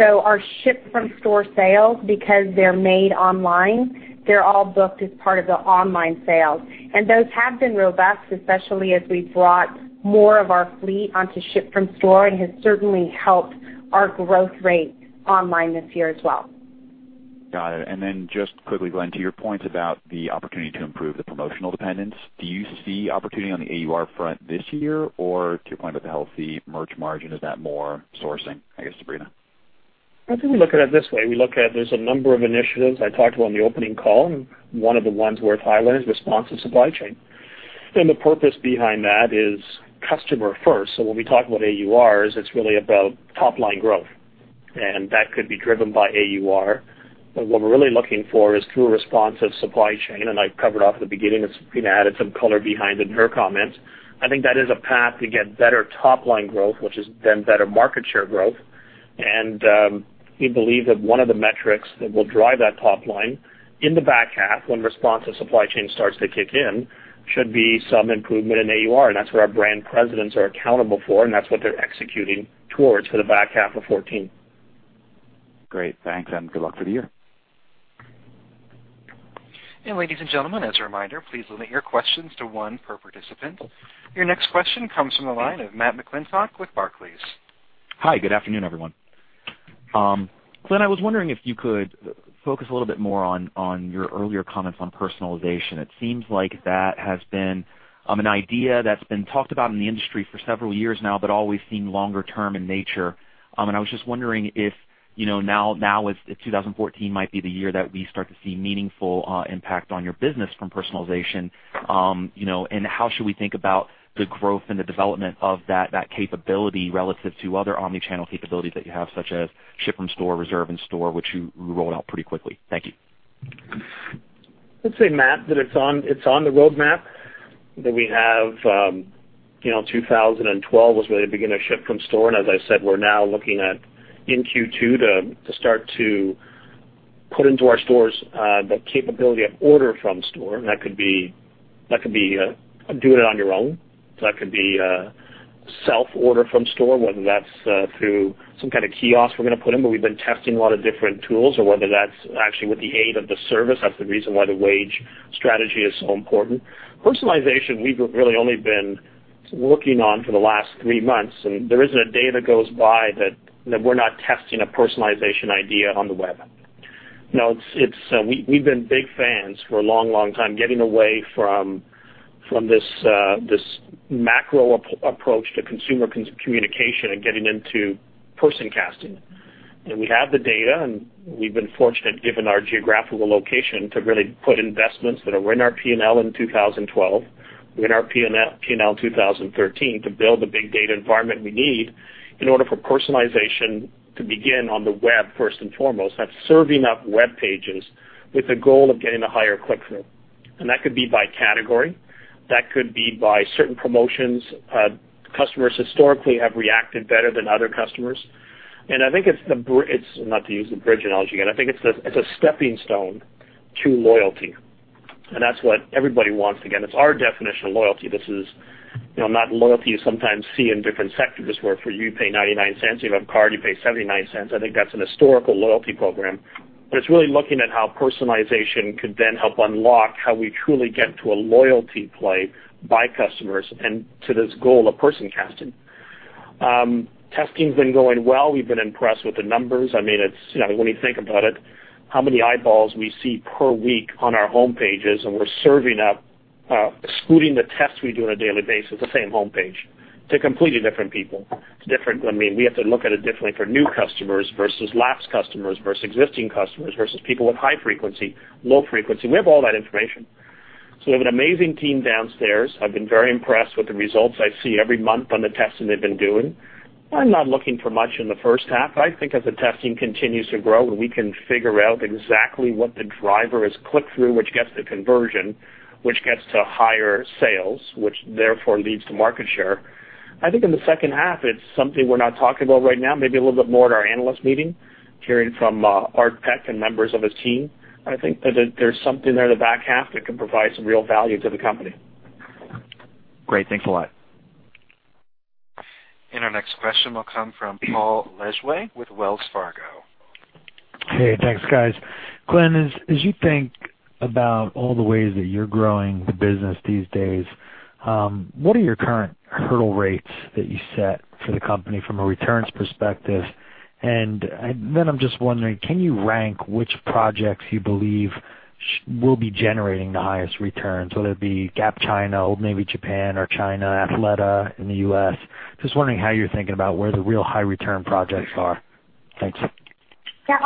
Our Ship From Store sales, because they're made online, they're all booked as part of the online sales. And those have been robust, especially as we've brought more of our fleet onto Ship From Store and has certainly helped our growth rate online this year as well. Got it. Then just quickly, Glenn, to your point about the opportunity to improve the promotional dependence, do you see opportunity on the AUR front this year? Or to your point about the healthy merch margin, is that more sourcing, I guess, Sabrina? I think we look at it this way. We look at there's a number of initiatives I talked about in the opening call. One of the ones worth highlighting is responsive supply chain. The purpose behind that is customer first. When we talk about AURs, it's really about top-line growth, and that could be driven by AUR. What we're really looking for is through a responsive supply chain, and I covered off at the beginning, as Sabrina added some color behind it in her comments. I think that is a path to get better top-line growth, which is then better market share growth. We believe that one of the metrics that will drive that top line in the back half when responsive supply chain starts to kick in should be some improvement in AUR. That's what our brand presidents are accountable for, and that's what they're executing towards for the back half of 2014. Great. Thanks, good luck for the year. Ladies and gentlemen, as a reminder, please limit your questions to one per participant. Your next question comes from the line of Matthew McClintock with Barclays. Hi. Good afternoon, everyone. Glenn, I was wondering if you could focus a little bit more on your earlier comments on personalization. It seems like that has been an idea that's been talked about in the industry for several years now, always seemed longer term in nature. I was just wondering if now, if 2014 might be the year that we start to see meaningful impact on your business from personalization. How should we think about the growth and the development of that capability relative to other omnichannel capabilities that you have, such as Ship From Store, Reserve in Store, which you rolled out pretty quickly. Thank you. Let's say, Matt, that it's on the roadmap that we have. 2012 was really the beginning of Ship From Store. As I said, we're now looking at in Q2 to start to put into our stores the capability of order in store. That could be doing it on your own. That could be self-order in store, whether that's through some kind of kiosk we're going to put in. We've been testing a lot of different tools or whether that's actually with the aid of the service. That's the reason why the wage strategy is so important. Personalization, we've really only been working on for the last three months, and there isn't a day that goes by that we're not testing a personalization idea on the web. We've been big fans for a long time, getting away from this macro approach to consumer communication and getting into Person Casting. We have the data, we've been fortunate, given our geographical location, to really put investments that are in our P&L in 2012, in our P&L in 2013, to build the big data environment we need in order for personalization to begin on the web, first and foremost. That's serving up web pages with the goal of getting a higher click-through. That could be by category. That could be by certain promotions. Customers historically have reacted better than other customers. I think it's not to use the bridge analogy again. I think it's a stepping stone to loyalty, and that's what everybody wants to get. It's our definition of loyalty. This is not loyalty you sometimes see in different sectors where for you pay $0.99, you have a card, you pay $0.79. I think that's an historical loyalty program. It's really looking at how personalization could then help unlock how we truly get to a loyalty play by customers and to this goal of Person Casting. Testing's been going well. We've been impressed with the numbers. When you think about it, how many eyeballs we see per week on our home pages, and we're serving up, excluding the tests we do on a daily basis, the same homepage to completely different people. We have to look at it differently for new customers versus lapsed customers versus existing customers versus people with high frequency, low frequency. We have all that information. We have an amazing team downstairs. I've been very impressed with the results I see every month on the testing they've been doing. I'm not looking for much in the first half. I think as the testing continues to grow and we can figure out exactly what the driver is, click-through, which gets to conversion, which gets to higher sales, which therefore leads to market share. I think in the second half, it's something we're not talking about right now. Maybe a little bit more at our analyst meeting, hearing from Art Peck and members of his team. I think that there's something there in the back half that can provide some real value to the company. Great. Thanks a lot. Our next question will come from Paul Lejuez with Wells Fargo. Hey, thanks, guys. Glenn, as you think about all the ways that you're growing the business these days, what are your current hurdle rates that you set for the company from a returns perspective? Then I'm just wondering, can you rank which projects you believe will be generating the highest returns, whether it be Gap China, Old Navy, Japan or China, Athleta in the U.S.? Just wondering how you're thinking about where the real high return projects are. Thanks.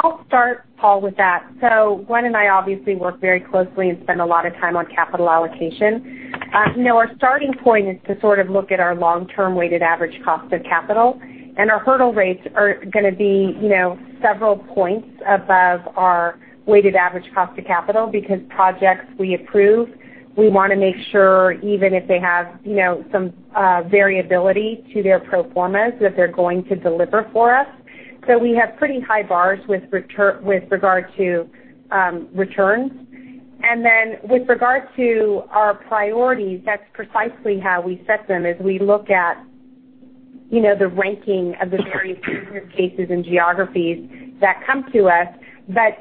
I'll start, Paul, with that. Glenn and I obviously work very closely and spend a lot of time on capital allocation. Our starting point is to sort of look at our long-term weighted average cost of capital. Our hurdle rates are going to be several points above our weighted average cost of capital because projects we approve, we want to make sure, even if they have some variability to their pro formas, that they're going to deliver for us. We have pretty high bars with regard to returns. With regard to our priorities, that's precisely how we set them as we look at the ranking of the various cases and geographies that come to us.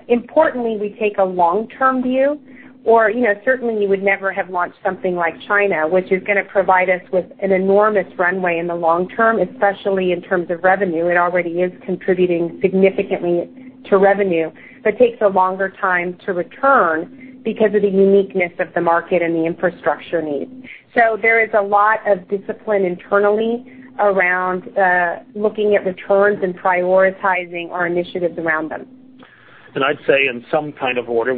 Importantly, we take a long-term view, or certainly we would never have launched something like China, which is going to provide us with an enormous runway in the long-term, especially in terms of revenue. It already is contributing significantly to revenue. Takes a longer time to return because of the uniqueness of the market and the infrastructure needs. There is a lot of discipline internally around looking at returns and prioritizing our initiatives around them. I'd say in some kind of order.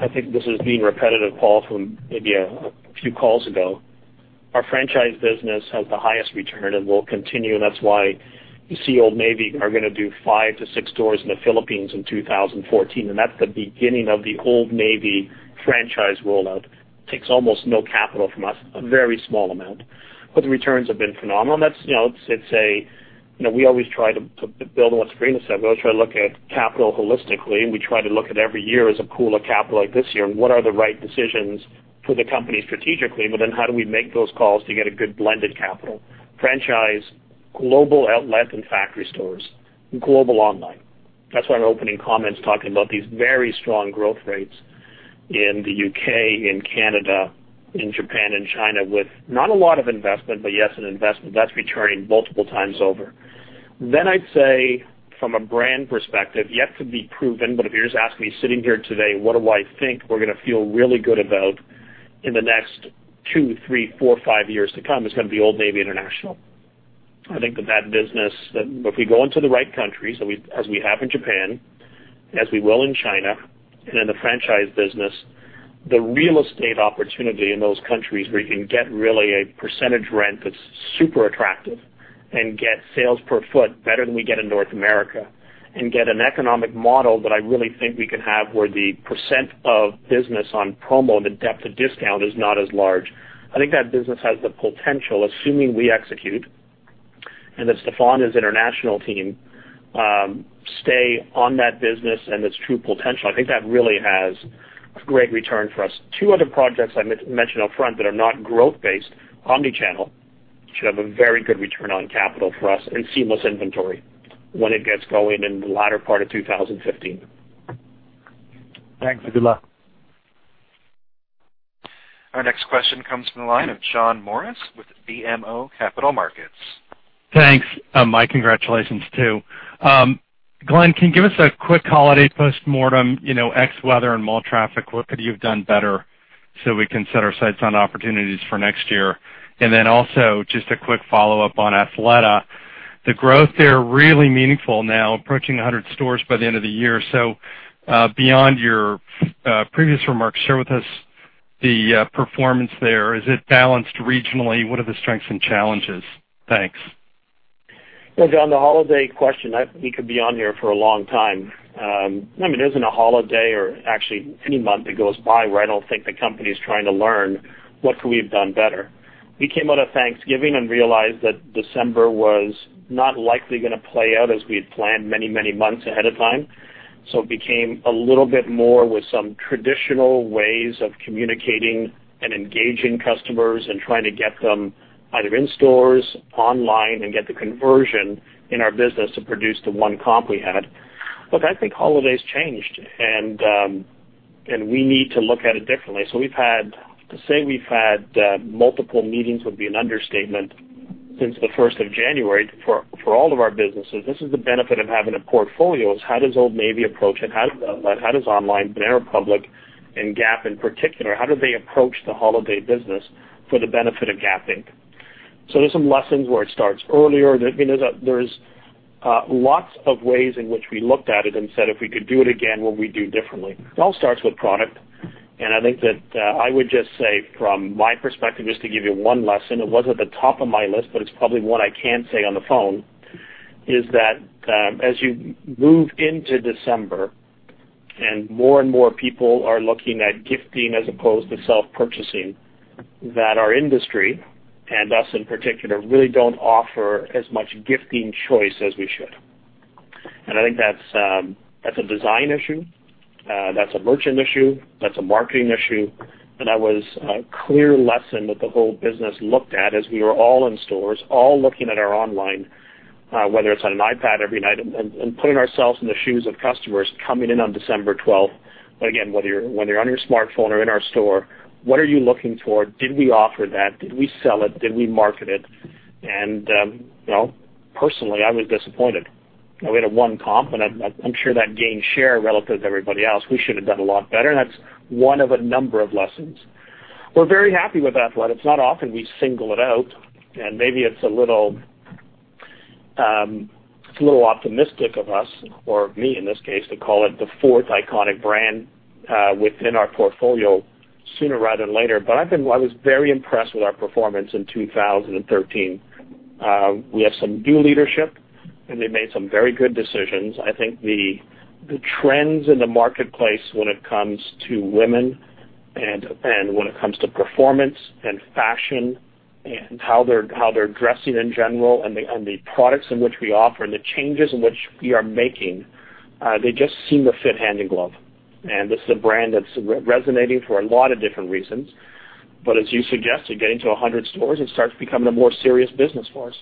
I think this is being repetitive, Paul, from maybe a few calls ago. Our franchise business has the highest return and will continue. That's why you see Old Navy are going to do five to six stores in the Philippines in 2014. That's the beginning of the Old Navy franchise rollout. Takes almost no capital from us, a very small amount. The returns have been phenomenal. We always try to build on what Sabrina said. We always try to look at capital holistically. We try to look at every year as a pool of capital, like this year. What are the right decisions for the company strategically? How do we make those calls to get a good blended capital? Franchise, global outlet and factory stores, global online. That's why my opening comment is talking about these very strong growth rates in the U.K., in Canada, in Japan and China, with not a lot of investment, an investment that's returning multiple times over. I'd say from a brand perspective, yet to be proven. If you're just asking me sitting here today, what do I think we're going to feel really good about in the next two, three, four, five years to come, it's going to be Old Navy International. I think that that business, if we go into the right countries as we have in Japan, as we will in China and in the franchise business, the real estate opportunity in those countries where you can get really a percentage rent that's super attractive and get sales per foot better than we get in North America and get an economic model that I really think we can have, where the percent of business on promo and the depth of discount is not as large. I think that business has the potential, assuming we execute and that Stefan's international team stay on that business and its true potential. I think that really has a great return for us. Two other projects I mentioned upfront that are not growth based, omnichannel should have a very good return on capital for us and seamless inventory when it gets going in the latter part of 2015. Thanks, and good luck. Our next question comes from the line of John Morris with BMO Capital Markets. Thanks. My congratulations, too. Glenn, can you give us a quick holiday postmortem, ex weather and mall traffic, what could you have done better so we can set our sights on opportunities for next year? Also just a quick follow-up on Athleta. The growth there really meaningful now, approaching 100 stores by the end of the year. Beyond your previous remarks, share with us the performance there. Is it balanced regionally? What are the strengths and challenges? Thanks. Well, John, the holiday question, we could be on here for a long time. There isn't a holiday or actually any month that goes by where I don't think the company is trying to learn what could we have done better. We came out of Thanksgiving and realized that December was not likely going to play out as we had planned many months ahead of time. It became a little bit more with some traditional ways of communicating and engaging customers and trying to get them either in stores, online, and get the conversion in our business to produce the one comp we had. Look, I think holidays changed, and we need to look at it differently. To say we've had multiple meetings would be an understatement since the first of January for all of our businesses. This is the benefit of having a portfolio, is how does Old Navy approach it? How does Online, Banana Republic, and Gap in particular, how do they approach the holiday business for the benefit of Gap Inc.? There's some lessons where it starts earlier. There's lots of ways in which we looked at it and said, if we could do it again, what we'd do differently. It all starts with product. I think that I would just say from my perspective, just to give you one lesson, it wasn't the top of my list, but it's probably one I can say on the phone, is that as you move into December and more and more people are looking at gifting as opposed to self-purchasing, that our industry and us in particular, really don't offer as much gifting choice as we should. I think that's a design issue. That's a merchant issue, that's a marketing issue, and that was a clear lesson that the whole business looked at as we were all in stores, all looking at our online, whether it's on an iPad every night and putting ourselves in the shoes of customers coming in on December 12th. Again, whether you're on your smartphone or in our store, what are you looking for? Did we offer that? Did we sell it? Did we market it? Personally, I was disappointed. We had a one comp, and I'm sure that gained share relative to everybody else. We should have done a lot better, and that's one of a number of lessons. We're very happy with Athleta. It's not often we single it out, and maybe it's a little optimistic of us or me, in this case, to call it the fourth iconic brand within our portfolio sooner rather than later. I was very impressed with our performance in 2013. We have some new leadership. They made some very good decisions. I think the trends in the marketplace when it comes to women and when it comes to performance and fashion and how they're dressing in general and the products in which we offer and the changes in which we are making, they just seem to fit hand in glove. This is a brand that's resonating for a lot of different reasons. As you suggest, to get into 100 stores, it starts becoming a more serious business for us.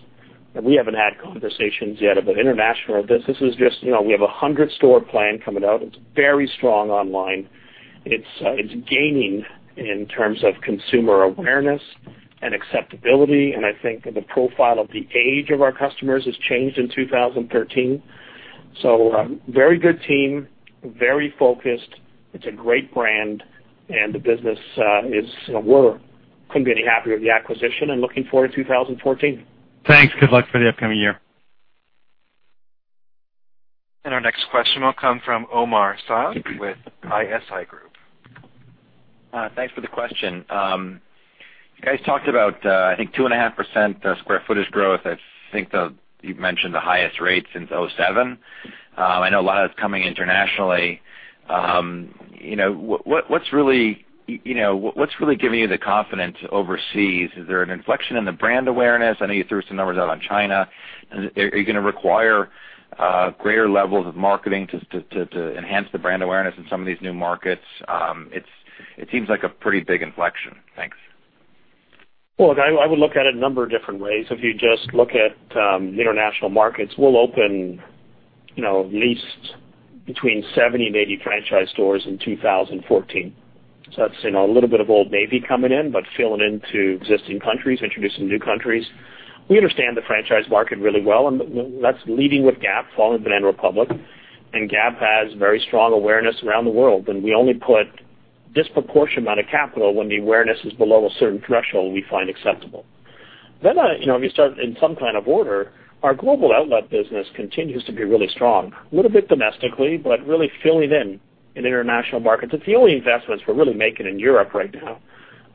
We haven't had conversations yet of an international business. It's just we have a 100-store plan coming out. It's very strong online. It's gaining in terms of consumer awareness and acceptability, and I think the profile of the age of our customers has changed in 2013. A very good team, very focused. It's a great brand, and the business is, we couldn't be any happier with the acquisition and looking forward to 2014. Thanks. Good luck for the upcoming year. Our next question will come from Omar Saad with ISI Group. Thanks for the question. You guys talked about, I think, 2.5% square footage growth. I think you've mentioned the highest rate since 2007. I know a lot of it's coming internationally. What's really giving you the confidence overseas? Is there an inflection in the brand awareness? I know you threw some numbers out on China. Are you going to require greater levels of marketing to enhance the brand awareness in some of these new markets? It seems like a pretty big inflection. Thanks. Look, I would look at it a number of different ways. If you just look at the international markets, we'll open at least between 70 and 80 franchise stores in 2014. That's a little bit of Old Navy coming in, but filling into existing countries, introducing new countries. We understand the franchise market really well, and that's leading with Gap, following Banana Republic. Gap has very strong awareness around the world, and we only put disproportionate amount of capital when the awareness is below a certain threshold we find acceptable. If you start in some kind of order, our global outlet business continues to be really strong, a little bit domestically, but really filling in international markets. It's the only investments we're really making in Europe right now.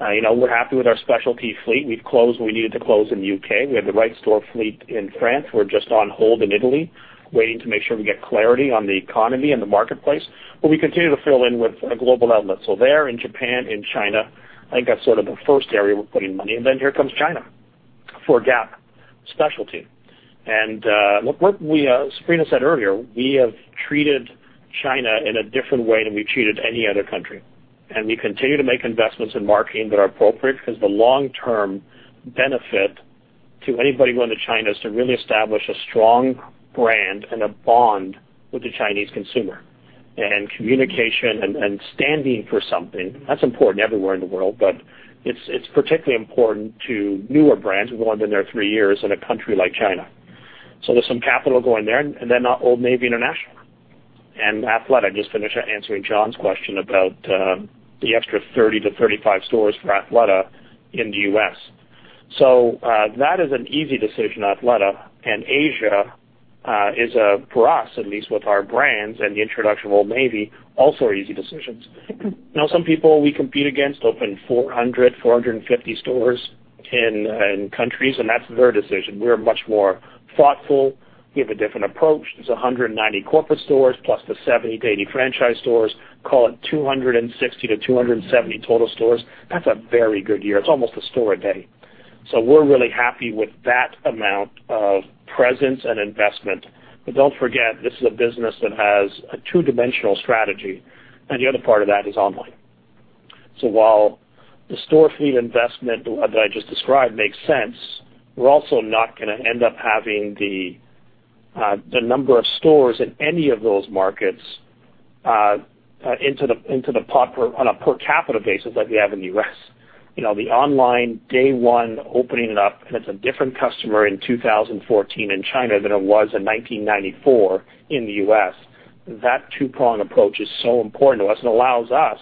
We're happy with our specialty fleet. We've closed what we needed to close in the U.K. We have the right store fleet in France. We're just on hold in Italy, waiting to make sure we get clarity on the economy and the marketplace. We continue to fill in with a global outlet. There, in Japan, in China, I think that's sort of the first area we're putting money, and then here comes China for Gap specialty. Sabrina said earlier, we have treated China in a different way than we've treated any other country. We continue to make investments in marketing that are appropriate because the long-term benefit to anybody going to China is to really establish a strong brand and a bond with the Chinese consumer. Communication and standing for something, that's important everywhere in the world, but it's particularly important to newer brands. We've only been there three years in a country like China. There's some capital going there, and then Old Navy International and Athleta. I just finished answering John's question about the extra 30 to 35 stores for Athleta in the U.S. That is an easy decision, Athleta, and Asia is, for us, at least with our brands and the introduction of Old Navy, also easy decisions. Now, some people we compete against open 400, 450 stores in countries, and that's their decision. We're much more thoughtful. We have a different approach. There's 190 corporate stores plus the 70 to 80 franchise stores. Call it 260 to 270 total stores. That's a very good year. It's almost a store a day. We're really happy with that amount of presence and investment. Don't forget, this is a business that has a two-dimensional strategy, and the other part of that is online. While the store fleet investment that I just described makes sense, we're also not going to end up having the number of stores in any of those markets on a per capita basis like we have in the U.S. The online day one opening it up, it's a different customer in 2014 in China than it was in 1994 in the U.S. That two-pronged approach is so important to us and allows us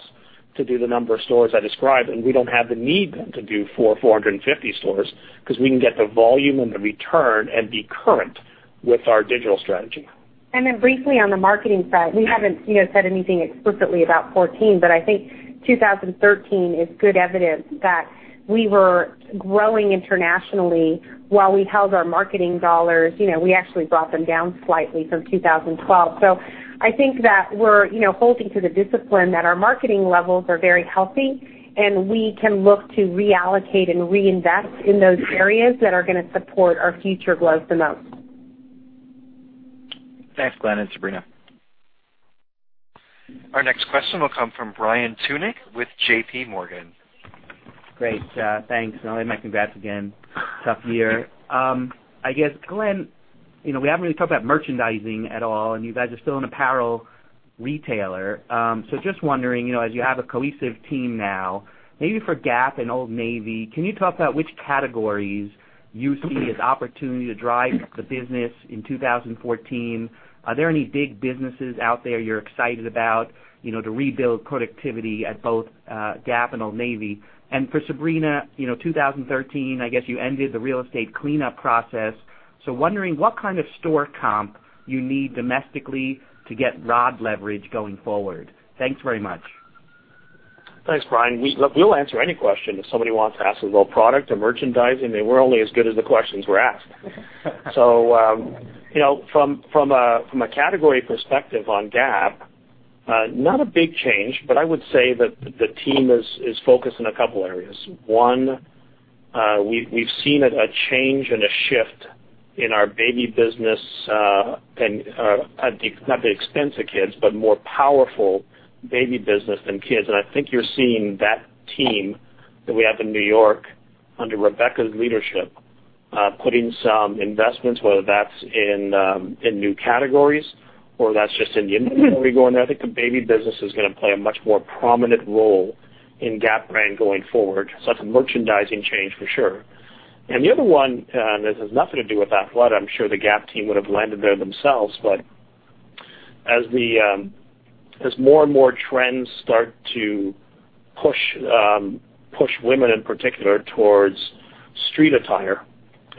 to do the number of stores I described, we don't have the need then to do 400, 450 stores because we can get the volume and the return and be current with our digital strategy. Briefly on the marketing side, we haven't said anything explicitly about 2014, but I think 2013 is good evidence that we were growing internationally while we held our marketing dollars. We actually brought them down slightly from 2012. I think that we're holding to the discipline that our marketing levels are very healthy, we can look to reallocate and reinvest in those areas that are going to support our future growth the most. Thanks, Glenn and Sabrina. Our next question will come from Brian Tunick with JPMorgan. Great. Thanks. My congrats again. Tough year. I guess, Glenn, we haven't really talked about merchandising at all, and you guys are still an apparel retailer. Just wondering, as you have a cohesive team now, maybe for Gap and Old Navy, can you talk about which categories you see as opportunity to drive the business in 2014? Are there any big businesses out there you're excited about to rebuild productivity at both Gap and Old Navy? For Sabrina, 2013, I guess you ended the real estate cleanup process. Wondering what kind of store comp you need domestically to get ROD leverage going forward. Thanks very much. Thanks, Brian. Look, we'll answer any question if somebody wants to ask us about product or merchandising. We're only as good as the questions we're asked. From a category perspective on Gap, not a big change, but I would say that the team is focused on a couple areas. One, we've seen a change and a shift in our baby business, at not the expense of kids, but more powerful baby business than kids. I think you're seeing that team that we have in New York under Rebekka's leadership, putting some investments, whether that's in new categories or that's just in the inventory going there. I think the baby business is going to play a much more prominent role in Gap brand going forward. That's a merchandising change for sure. The other one, this has nothing to do with athletic. I'm sure the Gap team would have landed there themselves, but as more and more trends start to push women in particular towards street attire,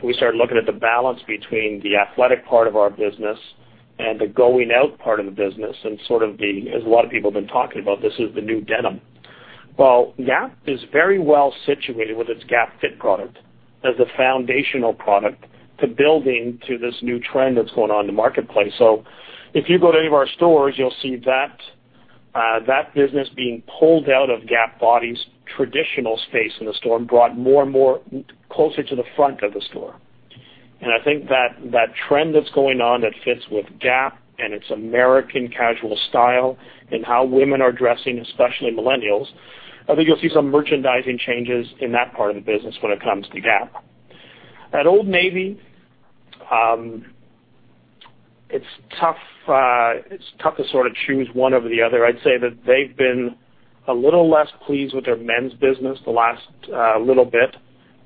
we start looking at the balance between the athletic part of our business and the going-out part of the business and sort of the, as a lot of people have been talking about, this is the new denim. Gap is very well situated with its GapFit product as a foundational product to building to this new trend that's going on in the marketplace. If you go to any of our stores, you'll see that business being pulled out of GapBody's traditional space in the store and brought more and more closer to the front of the store. I think that trend that's going on that fits with Gap and its American casual style and how women are dressing, especially millennials. I think you'll see some merchandising changes in that part of the business when it comes to Gap. At Old Navy, it's tough to sort of choose one over the other. I'd say that they've been a little less pleased with their men's business the last little bit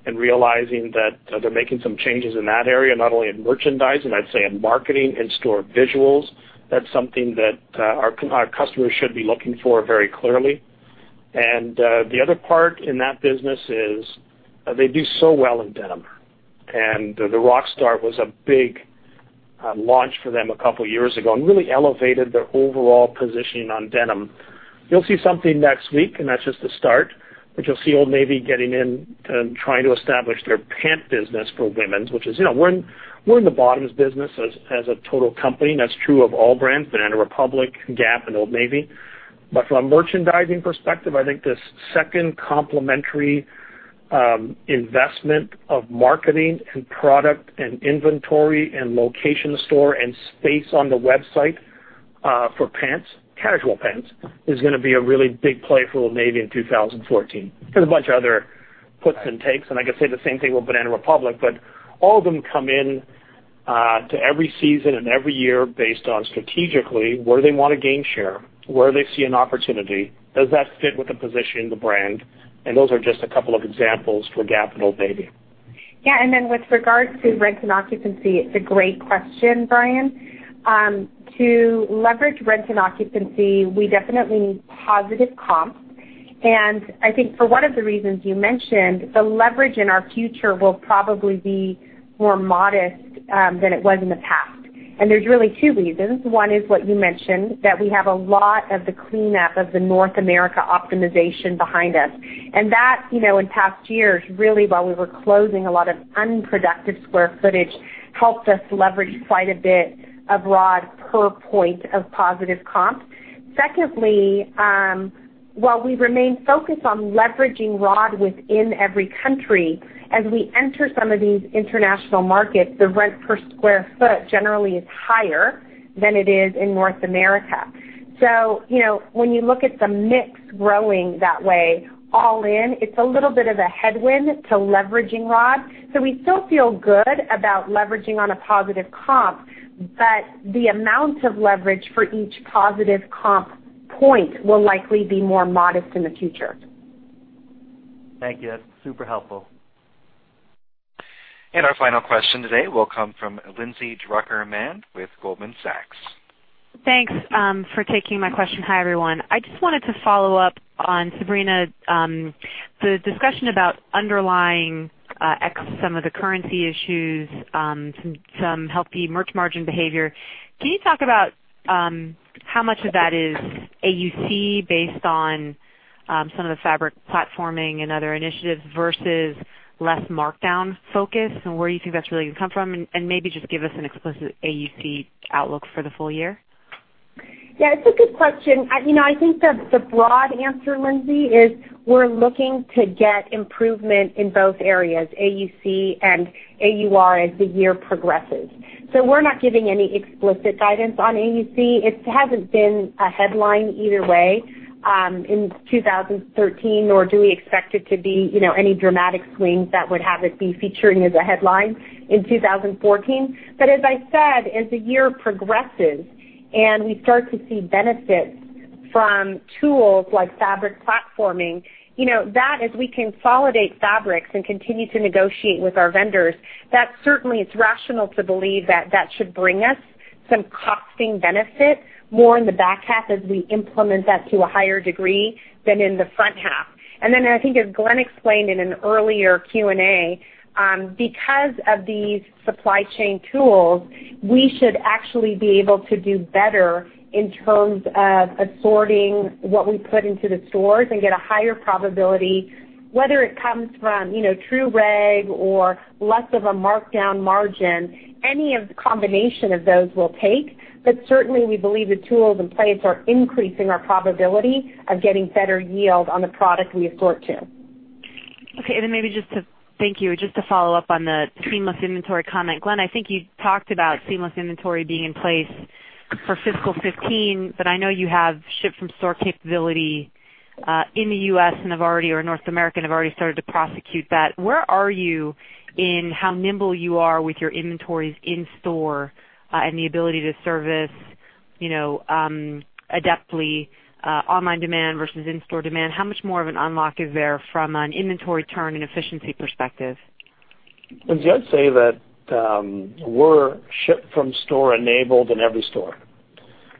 and realizing that they're making some changes in that area, not only in merchandising, I'd say in marketing, in store visuals. That's something that our customers should be looking for very clearly. The other part in that business is they do so well in denim, the Rockstar was a big launch for them a couple of years ago and really elevated their overall positioning on denim. You'll see something next week, that's just the start, but you'll see Old Navy getting in and trying to establish their pant business for women. We're in the bottoms business as a total company, and that's true of all brands, Banana Republic, Gap, and Old Navy. From a merchandising perspective, I think this second complementary investment of marketing and product and inventory and location of store and space on the website for pants, casual pants, is going to be a really big play for Old Navy in 2014. There's a bunch of other puts and takes. I could say the same thing with Banana Republic, but all of them come in to every season and every year based on strategically where they want to gain share, where they see an opportunity, does that fit with the position of the brand, and those are just a couple of examples for Gap and Old Navy. Yeah, with regard to rent and occupancy, it's a great question, Brian. To leverage rent and occupancy, we definitely need positive comps. I think for one of the reasons you mentioned, the leverage in our future will probably be more modest than it was in the past. There's really two reasons. One is what you mentioned, that we have a lot of the cleanup of the North America optimization behind us. That, in past years, really, while we were closing a lot of unproductive square footage, helped us leverage quite a bit of ROD per point of positive comp. Secondly, while we remain focused on leveraging ROD within every country, as we enter some of these international markets, the rent per square foot generally is higher than it is in North America. When you look at the mix growing that way all in, it's a little bit of a headwind to leveraging ROD. We still feel good about leveraging on a positive comp, but the amount of leverage for each positive comp point will likely be more modest in the future. Thank you. That's super helpful. Our final question today will come from Lindsay Drucker Mann with Goldman Sachs. Thanks for taking my question. Hi, everyone. I just wanted to follow up on Sabrina. The discussion about underlying ex some of the currency issues, some healthy merch margin behavior. Can you talk about how much of that is AUC based on some of the fabric platforming and other initiatives versus less markdown focus and where you think that's really going to come from? Maybe just give us an explicit AUC outlook for the full year. Yeah, it's a good question. I think that the broad answer, Lindsay, is we're looking to get improvement in both areas, AUC and AUR, as the year progresses. We're not giving any explicit guidance on AUC. It hasn't been a headline either way in 2013, nor do we expect it to be any dramatic swings that would have it be featured as a headline in 2014. As I said, as the year progresses and we start to see benefits from tools like fabric platforming, that as we consolidate fabrics and continue to negotiate with our vendors, that certainly is rational to believe that that should bring us some costing benefit more in the back half as we implement that to a higher degree than in the front half. I think as Glenn explained in an earlier Q&A, because of these supply chain tools, we should actually be able to do better in terms of assorting what we put into the stores and get a higher probability, whether it comes from true reg or less of a markdown margin. Any of the combination of those will take, but certainly we believe the tools in place are increasing our probability of getting better yield on the product we assort to. Okay. Thank you. Just to follow up on the seamless inventory comment, Glenn, I think you talked about seamless inventory being in place for fiscal 2015. I know you have Ship From Store capability in the U.S. and have already, or North America, have already started to prosecute that. Where are you in how nimble you are with your inventories in store and the ability to service adeptly online demand versus in-store demand? How much more of an unlock is there from an inventory turn and efficiency perspective? Lindsay, I'd say that we're Ship From Store enabled in every store.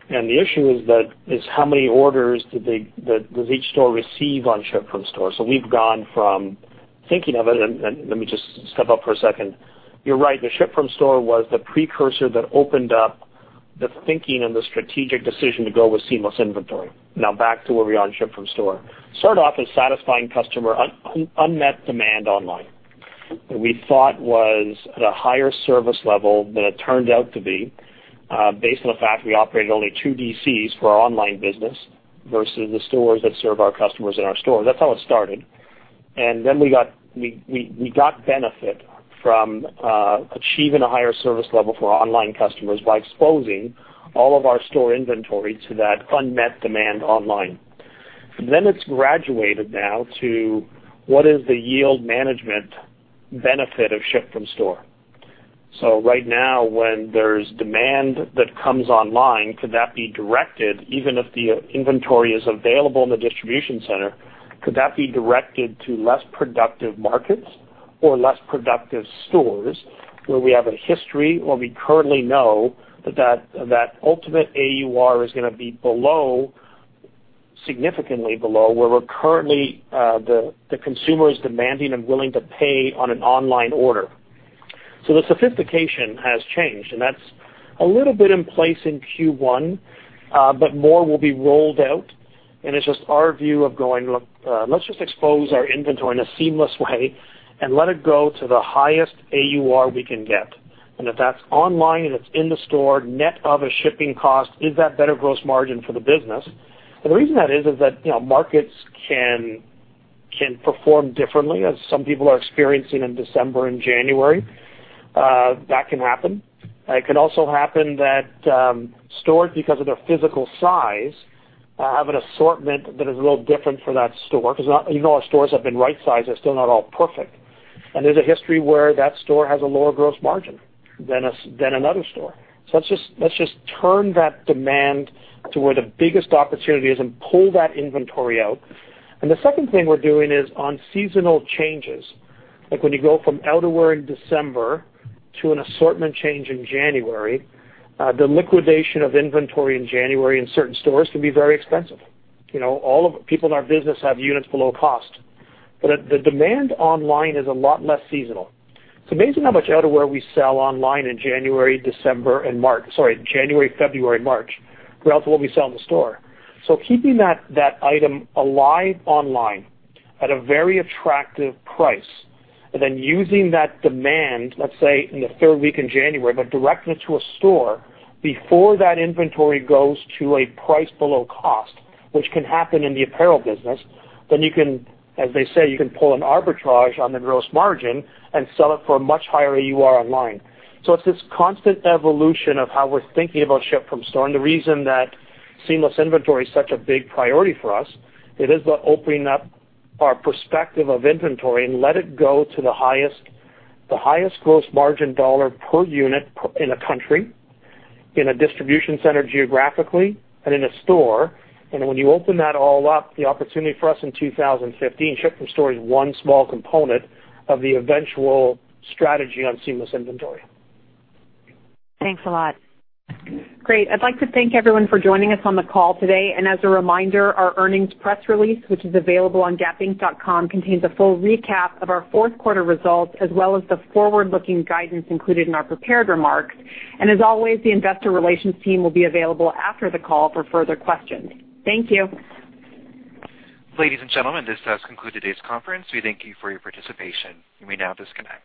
The issue is how many orders does each store receive on Ship From Store. We've gone from thinking of it, and let me just step up for a second. You're right. The Ship From Store was the precursor that opened up the thinking and the strategic decision to go with seamless inventory. Now back to where we are on Ship From Store. We started off as satisfying customer unmet demand online. We thought was at a higher service level than it turned out to be, based on the fact we operate only two DCs for our online business versus the stores that serve our customers in our store. That's how it started. We got benefit from achieving a higher service level for our online customers by exposing all of our store inventory to that unmet demand online. It's graduated now to what is the yield management benefit of Ship From Store. Right now, when there's demand that comes online, could that be directed, even if the inventory is available in the distribution center, could that be directed to less productive markets or less productive stores where we have a history, or we currently know that ultimate AUR is going to be below, significantly below, where we're currently, the consumer is demanding and willing to pay on an online order. The sophistication has changed, and that's a little bit in place in Q1, but more will be rolled out, and it's just our view of going, "Look, let's just expose our inventory in a seamless way and let it go to the highest AUR we can get." If that's online and it's in the store, net of a shipping cost, is that better gross margin for the business. The reason that is that markets can perform differently, as some people are experiencing in December and January. That can happen. It can also happen that stores, because of their physical size, have an assortment that is a little different for that store. Even though our stores have been right-sized, they're still not all perfect. There's a history where that store has a lower gross margin than another store. Let's just turn that demand to where the biggest opportunity is and pull that inventory out. The second thing we're doing is on seasonal changes, like when you go from outerwear in December to an assortment change in January, the liquidation of inventory in January in certain stores can be very expensive. All of the people in our business have units below cost. The demand online is a lot less seasonal. It's amazing how much outerwear we sell online in January, December, and March. Sorry, January, February, March, relative to what we sell in the store. Keeping that item alive online at a very attractive price, and then using that demand, let's say in the third week in January, but directing it to a store before that inventory goes to a price below cost, which can happen in the apparel business, then you can, as they say, you can pull an arbitrage on the gross margin and sell it for a much higher AUR online. It's this constant evolution of how we're thinking about Ship From Store. The reason that seamless inventory is such a big priority for us, it is the opening up our perspective of inventory and let it go to the highest gross margin dollar per unit in a country, in a distribution center geographically, and in a store. When you open that all up, the opportunity for us in 2015, Ship From Store is one small component of the eventual strategy on seamless inventory. Thanks a lot. Great. I'd like to thank everyone for joining us on the call today. As a reminder, our earnings press release, which is available on gapinc.com, contains a full recap of our fourth quarter results, as well as the forward-looking guidance included in our prepared remarks. As always, the investor relations team will be available after the call for further questions. Thank you. Ladies and gentlemen, this does conclude today's conference. We thank you for your participation. You may now disconnect.